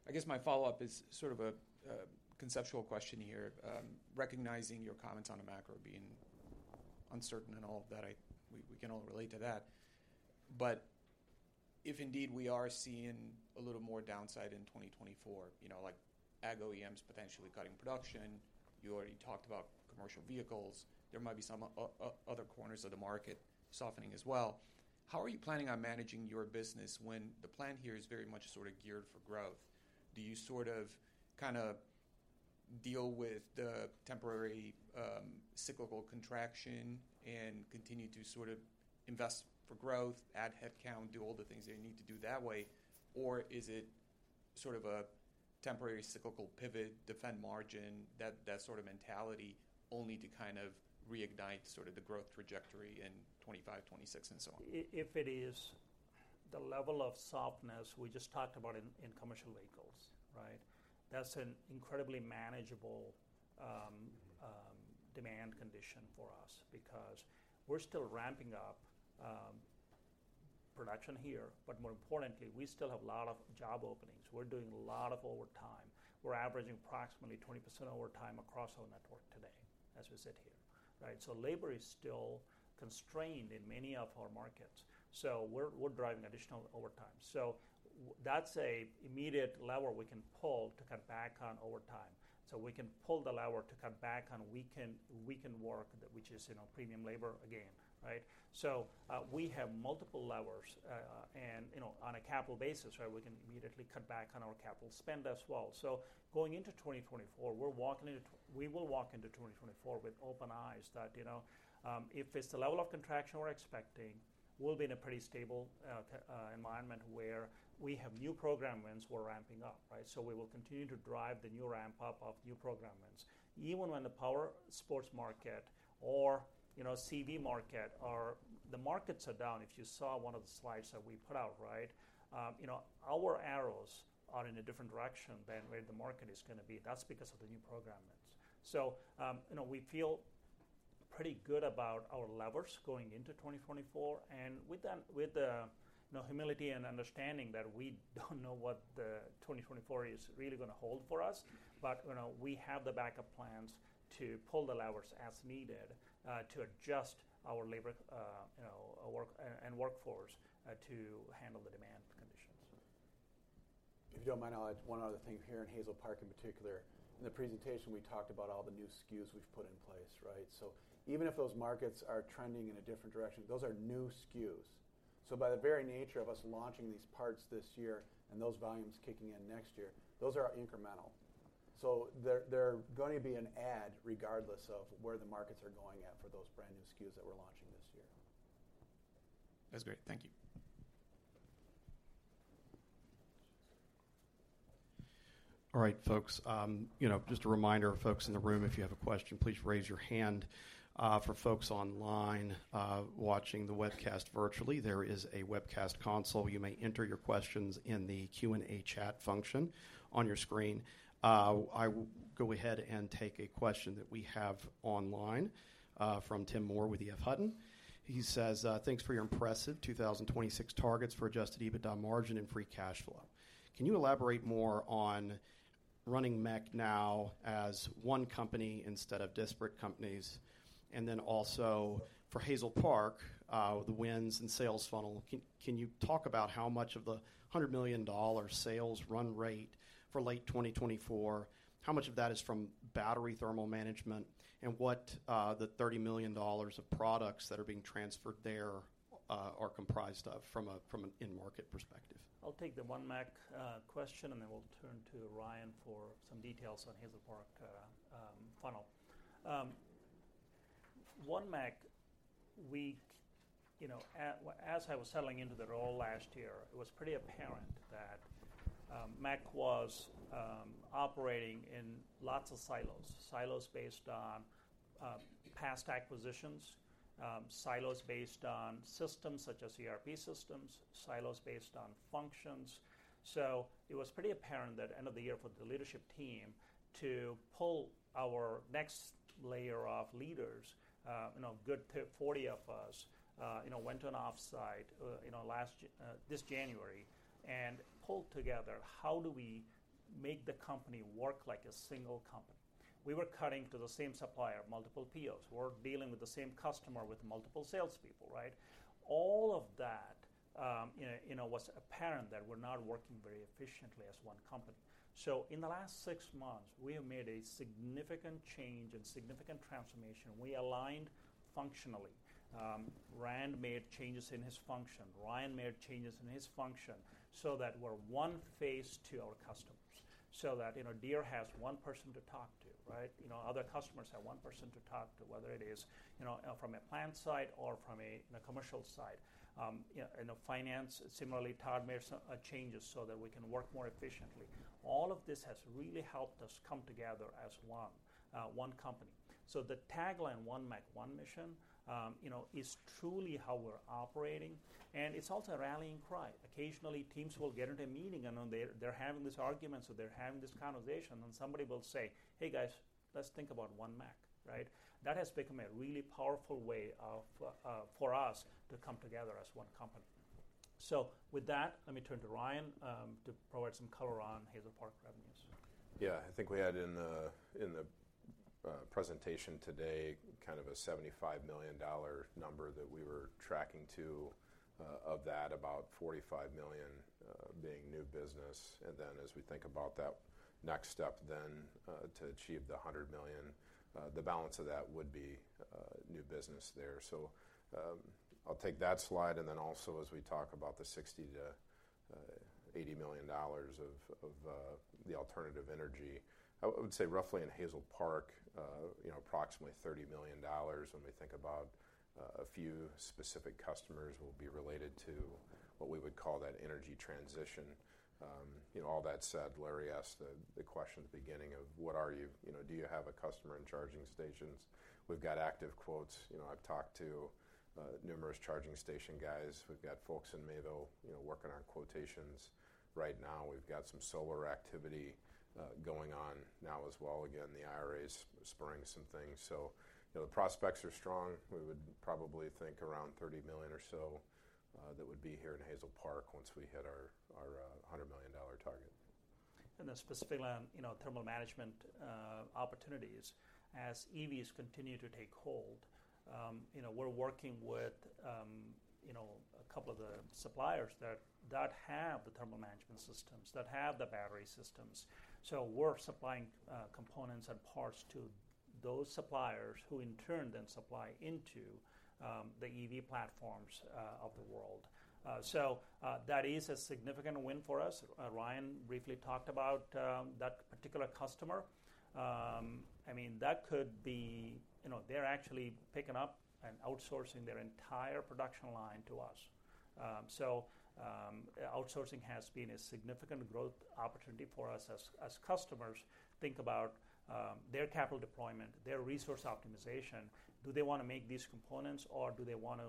then I guess my follow-up is sort of a conceptual question here, recognizing your comments on the macro being uncertain and all of that. We can all relate to that. But if indeed we are seeing a little more downside in 2024, you know, like ag OEMs potentially cutting production, you already talked about commercial vehicles, there might be some other corners of the market softening as well. How are you planning on managing your business when the plan here is very much sort of geared for growth? Do you sort of, kind of deal with the temporary cyclical contraction and continue to sort of invest for growth, add headcount, do all the things that you need to do that way? Or is it sort of a temporary cyclical pivot, defend margin, that, that sort of mentality, only to kind of reignite sort of the growth trajectory in 2025, 2026, and so on? If it is the level of softness we just talked about in commercial vehicles, right? That's an incredibly manageable demand condition for us because we're still ramping up production here, but more importantly, we still have a lot of job openings. We're doing a lot of overtime. We're averaging approximately 20% overtime across our network today, as we sit here, right? So labor is still constrained in many of our markets, so we're driving additional overtime. So that's a immediate lever we can pull to cut back on overtime. So we can pull the lever to cut back on weekend work, which is, you know, premium labor again, right? So we have multiple levers, and, you know, on a capital basis, right, we can immediately cut back on our capital spend as well. So going into 2024, we're walking into... We will walk into 2024 with open eyes that, you know, if it's the level of contraction we're expecting, we'll be in a pretty stable environment where we have new program wins, we're ramping up, right? So we will continue to drive the new ramp up of new program wins. Even when the powersports market or, you know, CV market are, the markets are down, if you saw one of the slides that we put out, right, you know, our arrows are in a different direction than where the market is gonna be. That's because of the new program wins. So, you know, we feel-... Pretty good about our levers going into 2024, and with that, with the, you know, humility and understanding that we don't know what the 2024 is really gonna hold for us. But, you know, we have the backup plans to pull the levers as needed, to adjust our labor, you know, work, and, and workforce, to handle the demand conditions. If you don't mind, I'll add one other thing. Here in Hazel Park, in particular, in the presentation, we talked about all the new SKUs we've put in place, right? So even if those markets are trending in a different direction, those are new SKUs. So by the very nature of us launching these parts this year and those volumes kicking in next year, those are incremental. So they're going to be an add regardless of where the markets are going at for those brand-new SKUs that we're launching this year. That's great. Thank you. All right, folks, you know, just a reminder, folks in the room, if you have a question, please raise your hand. For folks online, watching the webcast, virtually, there is a webcast console. You may enter your questions in the Q&A chat function on your screen. I will go ahead and take a question that we have online, from Tim Moore with EF Hutton. He says, "Thanks for your impressive 2026 targets for Adjusted EBITDA margin and free cash flow. Can you elaborate more on running MEC now as one company instead of disparate companies? Then also for Hazel Park, the wins and sales funnel, can you talk about how much of the $100 million sales run rate for late 2024, how much of that is from battery thermal management, and what the $30 million of products that are being transferred there are comprised of from an in-market perspective? I'll take the one MEC question, and then we'll turn to Ryan for some details on Hazel Park funnel. One MEC, you know, as I was settling into the role last year, it was pretty apparent that MEC was operating in lots of silos. Silos based on past acquisitions, silos based on systems such as ERP systems, silos based on functions. So it was pretty apparent that, end of the year, for the leadership team to pull our next layer of leaders, you know, a good 40 of us, you know, went to an off-site, you know, last January and pulled together, how do we make the company work like a single company? We were cutting to the same supplier, multiple POs. We're dealing with the same customer with multiple salespeople, right? All of that, you know, you know, was apparent that we're not working very efficiently as one company. So in the last six months, we have made a significant change and significant transformation. We aligned functionally. Rand made changes in his function, Ryan made changes in his function, so that we're one face to our customers. So that, you know, Deere has one person to talk to, right? You know, other customers have one person to talk to, whether it is, you know, from a plant side or from a commercial side. You know, in finance, similarly, Todd made some changes so that we can work more efficiently. All of this has really helped us come together as one company. So the tagline, "One MEC, One Mission," you know, is truly how we're operating, and it's also a rallying cry. Occasionally, teams will get in a meeting, and then they're having this argument, or they're having this conversation, and somebody will say, "Hey, guys, let's think about one MEC," right? That has become a really powerful way of for us to come together as one company. So with that, let me turn to Ryan to provide some color on Hazel Park revenues. Yeah, I think we had in the presentation today kind of a $75 million number that we were tracking to, of that, about $45 million being new business. And then as we think about that next step then to achieve the $100 million, the balance of that would be new business there. So, I'll take that slide, and then also as we talk about the $60 million-$80 million of the alternative energy, I would say roughly in Hazel Park, you know, approximately $30 million, when we think about a few specific customers will be related to what we would call that energy transition. You know, all that said, Larry asked the question at the beginning of: What are you? You know, do you have a customer in charging stations? We've got active quotes. You know, I've talked to numerous charging station guys. We've got folks in Mayville, you know, working on quotations right now. We've got some solar activity going on now as well. Again, the IRA is spurring some things, so you know, the prospects are strong. We would probably think around $30 million or so, that would be here in Hazel Park once we hit our $100 million target. And then specifically on, you know, thermal management, opportunities. As EVs continue to take hold, you know, we're working with, you know, a couple of the suppliers that have the Thermal Management systems, that have the battery systems. So we're supplying, components and parts to those suppliers, who in turn, then supply into, the EV platforms, of the world. So, that is a significant win for us. Ryan briefly talked about, that particular customer. I mean, that could be, you know, they're actually picking up and outsourcing their entire production line to us. So, outsourcing has been a significant growth opportunity for us as customers think about, their capital deployment, their resource optimization. Do they wanna make these components, or do they want to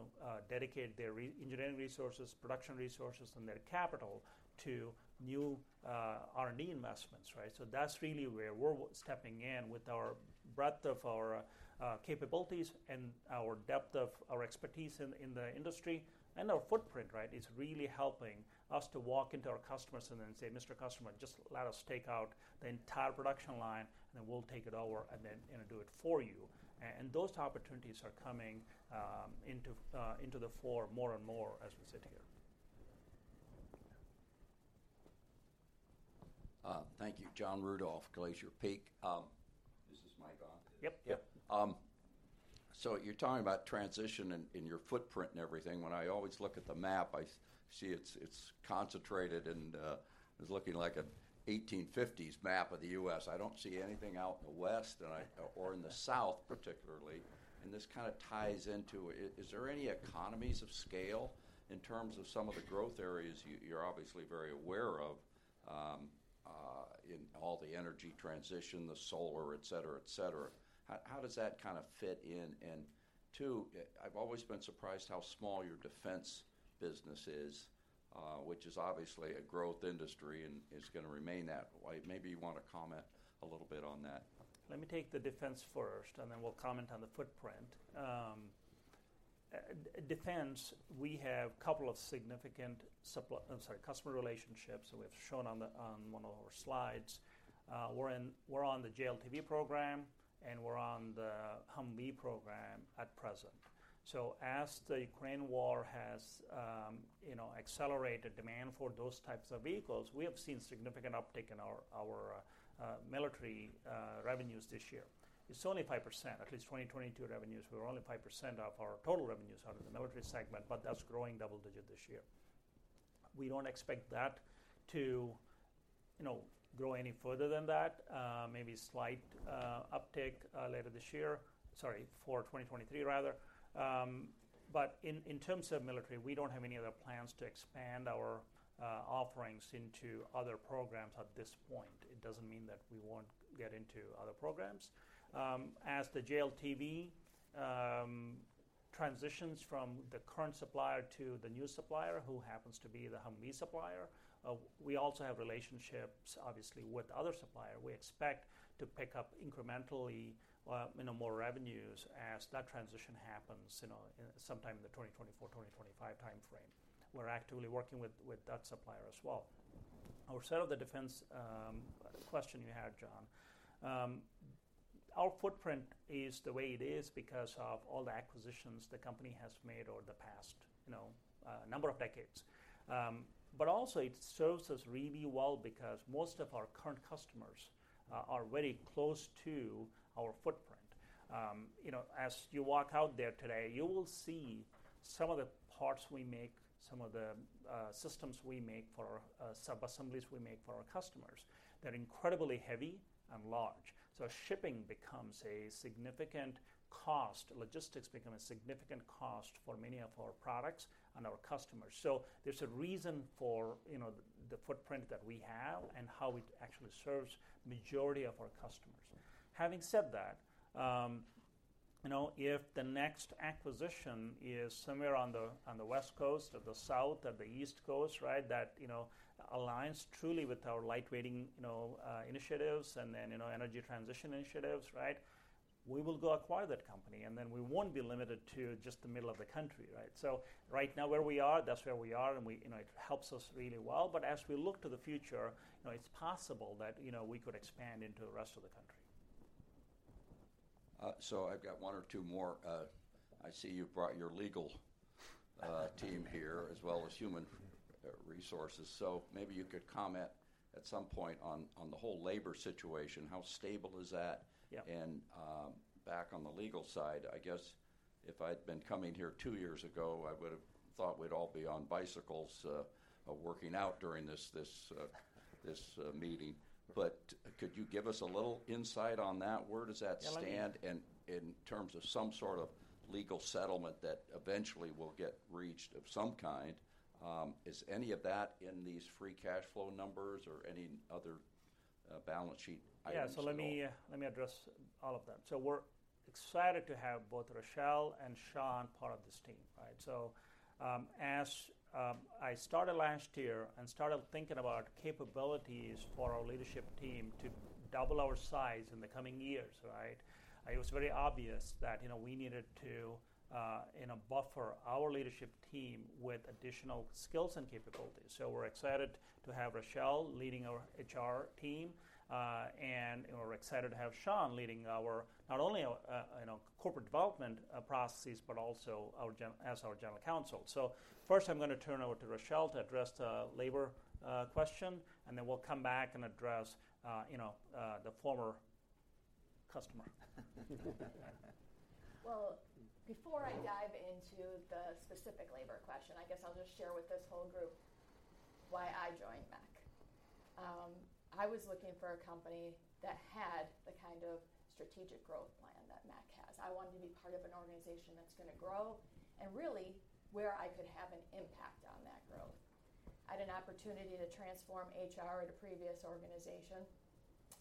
dedicate their re-engineering resources, production resources, and their capital to new R&D investments, right? So that's really where we're stepping in with our breadth of our capabilities and our depth of our expertise in the industry, and our footprint, right, is really helping us to walk into our customers and then say, "Mr. Customer, just let us take out the entire production line, and then we'll take it over and do it for you." And those opportunities are coming into the fore more and more as we sit here. Thank you. John Rudolph, Glacier Peak. Is this mic on? Yep. Yep. So you're talking about transition in, in your footprint and everything. When I always look at the map, I see it's, it's concentrated and, it's looking like a 1850s map of the U.S. I don't see anything out in the West, and or in the South particularly, and this kind of ties into it. Is there any economies of scale in terms of some of the growth areas you, you're obviously very aware of, in all the energy transition, the solar, et cetera, et cetera? How, how does that kind of fit in? And two, I've always been surprised how small your defense business is, which is obviously a growth industry and is gonna remain that way. Maybe you want to comment a little bit on that. Let me take the defense first, and then we'll comment on the footprint. Defense, we have a couple of significant customer relationships we have shown on one of our slides. We're on the JLTV program, and we're on the Humvee program at present. So as the Ukraine war has, you know, accelerated demand for those types of vehicles, we have seen significant uptick in our military revenues this year. It's only 5%. In 2022 revenues were only 5% of our total revenues out of the military segment, but that's growing double digit this year. We don't expect that to, you know, grow any further than that, maybe slight uptick later this year. Sorry, for 2023 rather. But in terms of military, we don't have any other plans to expand our offerings into other programs at this point. It doesn't mean that we won't get into other programs. As the JLTV transitions from the current supplier to the new supplier, who happens to be the Humvee supplier, we also have relationships, obviously, with other supplier. We expect to pick up incrementally minimal revenues as that transition happens, you know, sometime in the 2024, 2025 time frame. We're actively working with that supplier as well. Outside of the defense question you had, John, our footprint is the way it is because of all the acquisitions the company has made over the past, you know, number of decades. But also it serves us really well because most of our current customers are very close to our footprint. You know, as you walk out there today, you will see some of the parts we make, some of the systems we make for subassemblies we make for our customers. They're incredibly heavy and large, so shipping becomes a significant cost. Logistics become a significant cost for many of our products and our customers. So there's a reason for, you know, the footprint that we have and how it actually serves majority of our customers. Having said that, you know, if the next acquisition is somewhere on the West Coast or the South or the East Coast, right, that you know, aligns truly with our lightweighting, you know, initiatives and then, you know, energy transition initiatives, right, we will go acquire that company, and then we won't be limited to just the middle of the country, right? So right now, where we are, that's where we are, and we, you know, it helps us really well. But as we look to the future, you know, it's possible that, you know, we could expand into the rest of the country. So I've got one or two more. I see you brought your legal team here as well as human resources. So maybe you could comment at some point on the whole labor situation. How stable is that? Yeah. And, back on the legal side, I guess if I'd been coming here two years ago, I would've thought we'd all be on bicycles, working out during this meeting. But could you give us a little insight on that? Where does that stand? Yeah, let me- -and in terms of some sort of legal settlement that eventually will get reached of some kind, is any of that in these free cash flow numbers or any other balance sheet items at all? Yeah, so let me address all of that. So we're excited to have both Rachele and Sean part of this team, right? So, as I started last year and started thinking about capabilities for our leadership team to double our size in the coming years, right? It was very obvious that, you know, we needed to, you know, buffer our leadership team with additional skills and capabilities. So we're excited to have Rachele leading our HR team, and we're excited to have Sean leading our, not only our, you know, Corporate Development processes, but also our General Counsel. So first, I'm gonna turn over to Rachele to address the labor question, and then we'll come back and address, you know, the former customer. Well, before I dive into the specific labor question, I guess I'll just share with this whole group why I joined MEC.I was looking for a company that had the kind of strategic growth plan that MEC has. I wanted to be part of an organization that's gonna grow, and really, where I could have an impact on that growth. I had an opportunity to transform HR at a previous organization,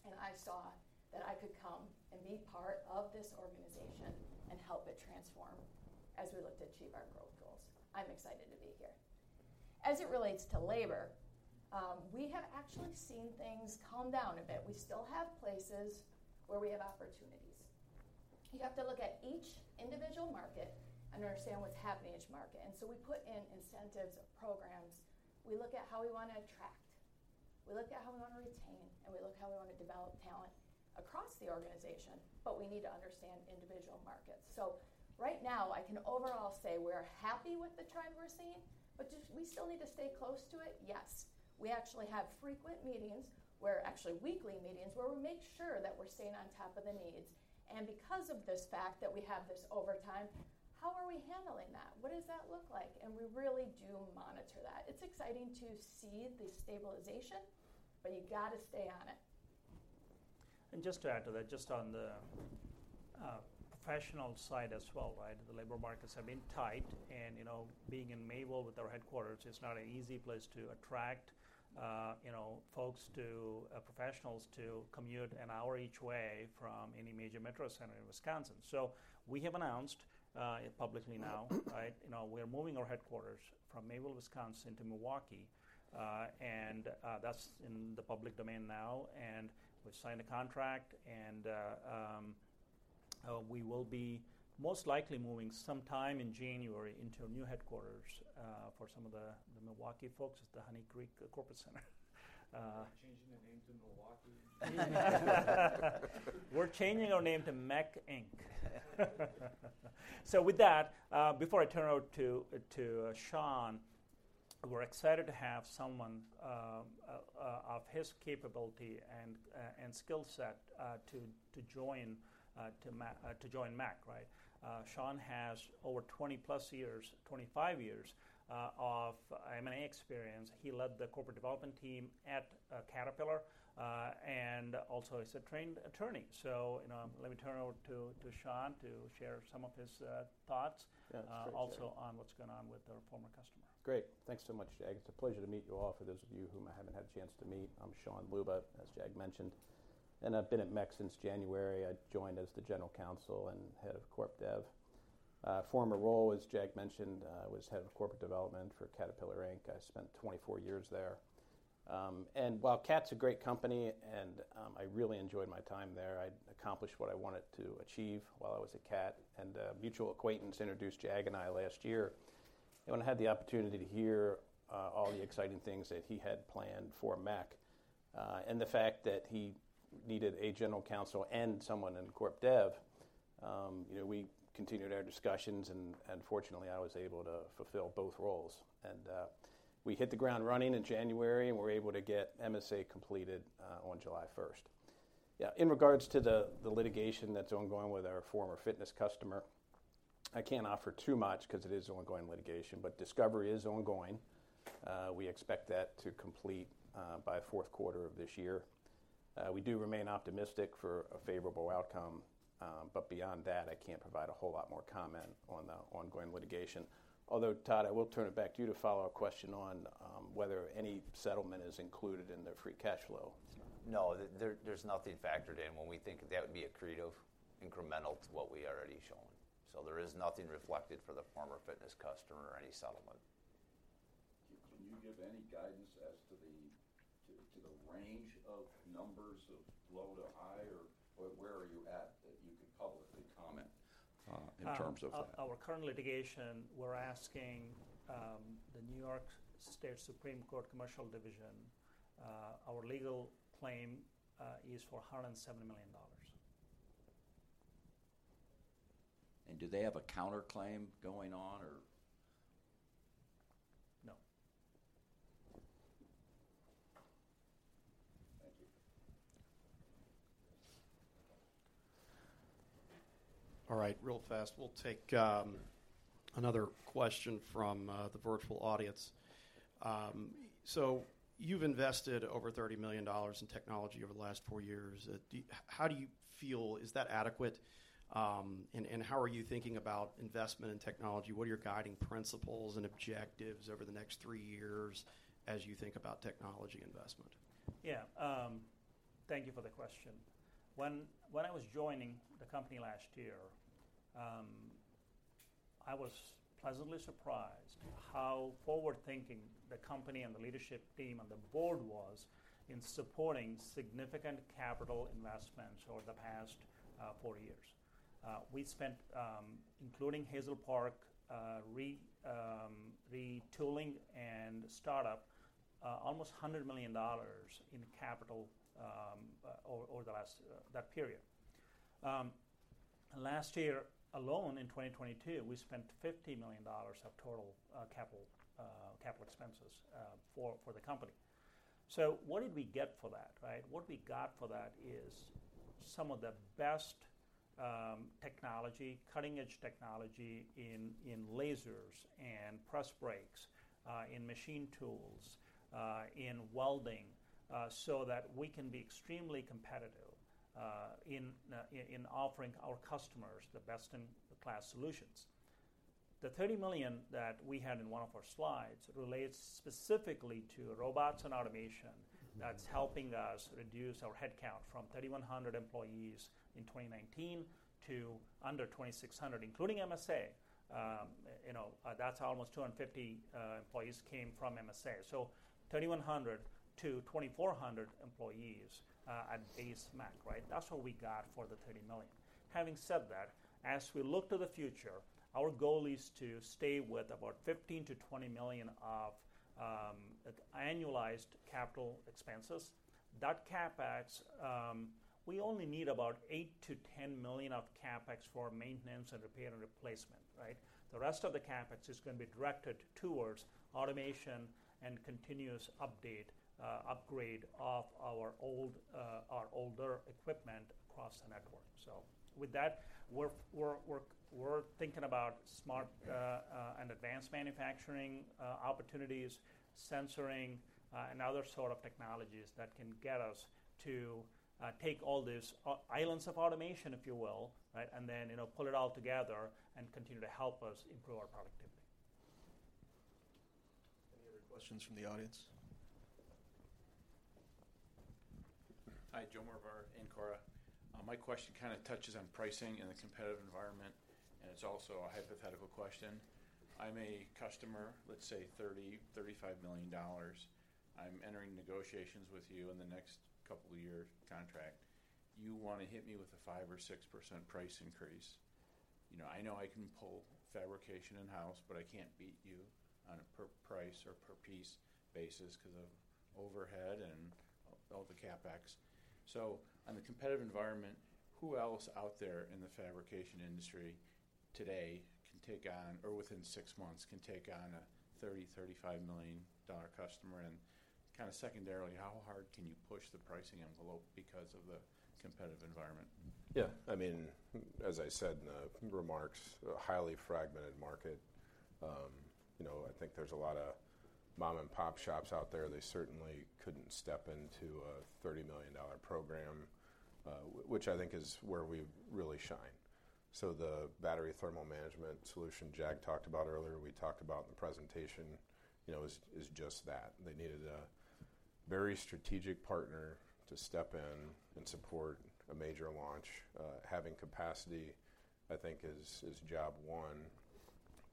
and I saw that I could come and be part of this organization and help it transform as we look to achieve our growth goals. I'm excited to be here. As it relates to labor, we have actually seen things calm down a bit. We still have places where we have opportunities. You have to look at each individual market and understand what's happening in each market. And so we put in incentives, programs. We look at how we wanna attract, we look at how we wanna retain, and we look at how we wanna develop talent across the organization, but we need to understand individual markets. So right now, I can overall say we're happy with the trend we're seeing, but do we still need to stay close to it? Yes. We actually have frequent meetings, actually weekly meetings, where we make sure that we're staying on top of the needs. And because of this fact that we have this overtime, how are we handling that? What does that look like? And we really do monitor that. It's exciting to see the stabilization, but you gotta stay on it. Just to add to that, just on the professional side as well, right? The labor markets have been tight, and, you know, being in Mayville with our headquarters, it's not an easy place to attract, you know, folks to professionals to commute an hour each way from any major metro center in Wisconsin. So we have announced it publicly now, right? You know, we're moving our headquarters from Mayville, Wisconsin, to Milwaukee. And that's in the public domain now, and we've signed a contract, and we will be most likely moving sometime in January into a new headquarters for some of the Milwaukee folks at the Honey Creek Corporate Center. Changing the name to Milwaukee? We're changing our name to MEC Inc. So with that, before I turn it over to Sean, we're excited to have someone of his capability and skill set to join MEC, right? Sean has over 20+ years, 25 years, of M&A experience. He led the corporate development team at Caterpillar, and also he's a trained attorney. So, you know, let me turn it over to Sean to share some of his thoughts. Yeah, sure. Also on what's going on with our former customer. Great. Thanks so much, Jag. It's a pleasure to meet you all. For those of you whom I haven't had a chance to meet, I'm Sean Leuba, as Jag mentioned, and I've been at MEC since January. I joined as the General Counsel and Head of Corp Dev. Former role, as Jag mentioned, was Head of Corporate Development for Caterpillar Inc. I spent 24 years there. And while CAT's a great company and, I really enjoyed my time there, I accomplished what I wanted to achieve while I was at CAT. A mutual acquaintance introduced Jag and I last year, and when I had the opportunity to hear all the exciting things that he had planned for MEC, and the fact that he needed a General Counsel and someone in Corp Dev, you know, we continued our discussions, and, and fortunately, I was able to fulfill both roles. And we hit the ground running in January, and we're able to get MSA completed on July first. Yeah, in regards to the litigation that's ongoing with our former fitness customer, I can't offer too much 'cause it is ongoing litigation, but discovery is ongoing. We expect that to complete by fourth quarter of this year. We do remain optimistic for a favorable outcome, but beyond that, I can't provide a whole lot more comment on the ongoing litigation. Although, Todd, I will turn it back to you to follow a question on whether any settlement is included in the free cash flow. No, there's nothing factored in. When we think that would be accretive, incremental to what we already shown. So there is nothing reflected for the former fitness customer or any settlement. Can you give any guidance as to the range of numbers of low to high, or where are you at, that you could publicly comment, in terms of that? Our current litigation, we're asking the New York State Supreme Court Commercial Division, our legal claim is for $170 million. Do they have a counterclaim going on, or? No. Thank you. All right, real fast. We'll take another question from the virtual audience. So you've invested over $30 million in technology over the last four years. How do you feel, is that adequate? And how are you thinking about investment in technology? What are your guiding principles and objectives over the next three years as you think about technology investment? Yeah, thank you for the question. When I was joining the company last year, I was pleasantly surprised how forward-thinking the company and the leadership team and the board was in supporting significant capital investments over the past four years. We spent, including Hazel Park, retooling and startup, almost $100 million in capital, over the last that period. Last year alone, in 2022, we spent $50 million of total capital expenses for the company. So what did we get for that, right? What we got for that is some of the best technology, cutting-edge technology in lasers and press brakes, in machine tools, in welding, so that we can be extremely competitive in offering our customers the best-in-class solutions. The $30 million that we had in one of our slides relates specifically to robots and automation. That's helping us reduce our headcount from 3,100 employees in 2019 to under 2,600, including MSA. You know, that's almost 250 employees came from MSA. So 3,100 to 2,400 employees at MEC, right? That's what we got for the $30 million. Having said that, as we look to the future, our goal is to stay with about $15 million-$20 million of annualized capital expenses. That CapEx, we only need about $8 million-$10 million of CapEx for maintenance and repair and replacement, right? The rest of the CapEx is gonna be directed towards automation and continuous update, upgrade of our old, our older equipment across the network. So with that, we're thinking about smart and advanced manufacturing opportunities, sensing, and other sort of technologies that can get us to take all these islands of automation, if you will, right? And then, you know, pull it all together and continue to help us improve our productivity. Any other questions from the audience? Hi, Joe Morvar, Ancora. My question kind of touches on pricing in the competitive environment, and it's also a hypothetical question. I'm a customer, let's say $30-$35 million. I'm entering negotiations with you in the next couple of years contract. You want to hit me with a 5%-6% price increase. You know, I know I can pull fabrication in-house, but I can't beat you on a per price or per piece basis 'cause of overhead and all the CapEx. So on the competitive environment, who else out there in the fabrication industry today can take on, or within six months, can take on a $30-$35 million customer? And kind of secondarily, how hard can you push the pricing envelope because of the competitive environment? Yeah, I mean, as I said in the remarks, a highly fragmented market. You know, I think there's a lot of mom-and-pop shops out there. They certainly couldn't step into a $30 million program, which I think is where we really shine. So the battery thermal management solution Jag talked about earlier, we talked about in the presentation, you know, is just that. They needed a very strategic partner to step in and support a major launch. Having capacity, I think, is job one,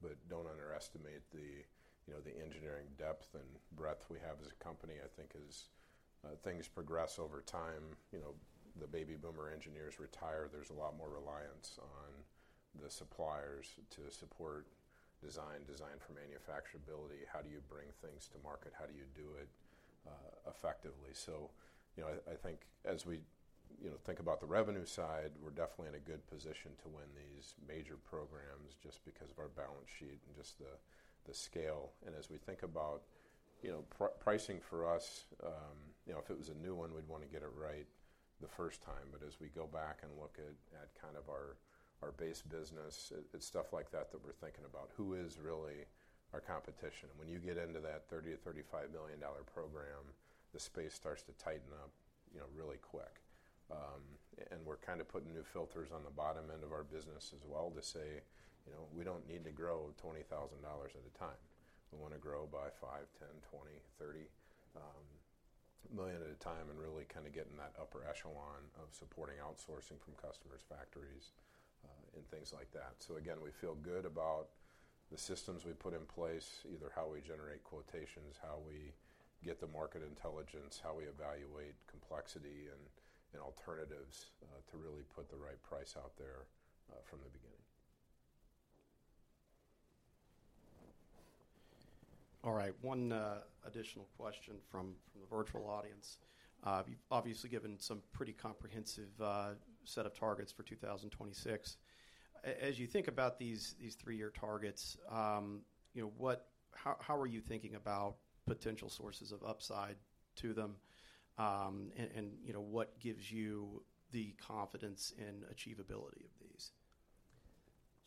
but don't underestimate the, you know, the engineering depth and breadth we have as a company. I think as things progress over time, you know, the baby boomer engineers retire, there's a lot more reliance on the suppliers to support design, design for manufacturability. How do you bring things to market? How do you do it effectively? So, you know, I, I think as we, you know, think about the revenue side, we're definitely in a good position to win these major programs just because of our balance sheet and just the scale. And as we think about, you know, pricing for us, you know, if it was a new one, we'd wanna get it right the first time. But as we go back and look at kind of our base business, it's stuff like that, that we're thinking about. Who is really our competition? And when you get into that $30 million-$35 million program, the space starts to tighten up, you know, really quick. And we're kind of putting new filters on the bottom end of our business as well to say, "You know, we don't need to grow $20,000 at a time." We wanna grow by $5 million, $10 million, $20 million, $30 million at a time and really kind of get in that upper echelon of supporting outsourcing from customers, factories, and things like that. So again, we feel good about the systems we've put in place, either how we generate quotations, how we get the market intelligence, how we evaluate complexity and alternatives, to really put the right price out there, from the beginning. All right, one additional question from the virtual audience. You've obviously given some pretty comprehensive set of targets for 2026. As you think about these three-year targets, you know, how are you thinking about potential sources of upside to them? And you know, what gives you the confidence in achievability of these?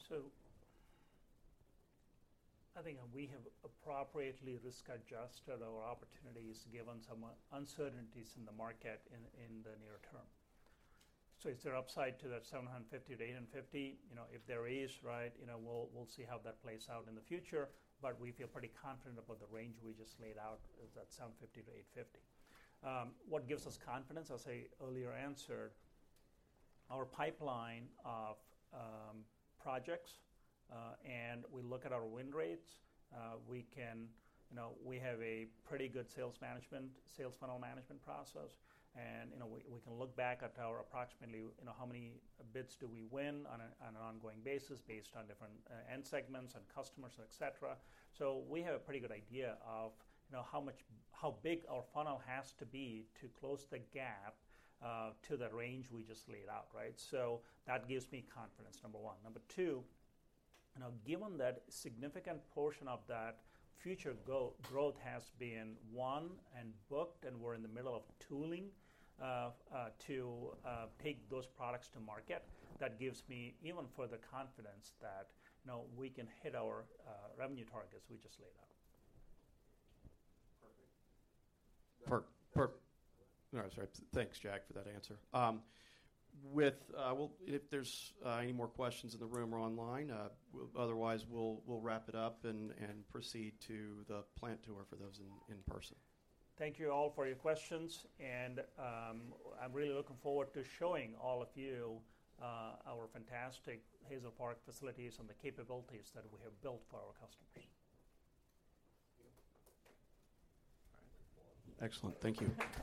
So I think we have appropriately risk-adjusted our opportunities, given some uncertainties in the market in the near term. So is there upside to that $750-$850? You know, if there is, right, you know, we'll see how that plays out in the future, but we feel pretty confident about the range we just laid out, that $750-$850. What gives us confidence? I'll say earlier answer, our pipeline of projects, and we look at our win rates. You know, we have a pretty good sales management, sales funnel management process, and, you know, we can look back at our approximately, you know, how many bids do we win on a, on an ongoing basis, based on different end segments and customers, et cetera. So we have a pretty good idea of, you know, how much, how big our funnel has to be to close the gap to the range we just laid out, right? So that gives me confidence, number one. Number two, you know, given that significant portion of that future growth has been won and booked, and we're in the middle of tooling to take those products to market, that gives me even further confidence that, you know, we can hit our revenue targets we just laid out. Perfect. All right, sorry. Thanks, Jag, for that answer. Well, if there's any more questions in the room or online, otherwise we'll wrap it up and proceed to the plant tour for those in person. Thank you all for your questions, and I'm really looking forward to showing all of you our fantastic Hazel Park facilities and the capabilities that we have built for our customers. Thank you. All right. Excellent. Thank you.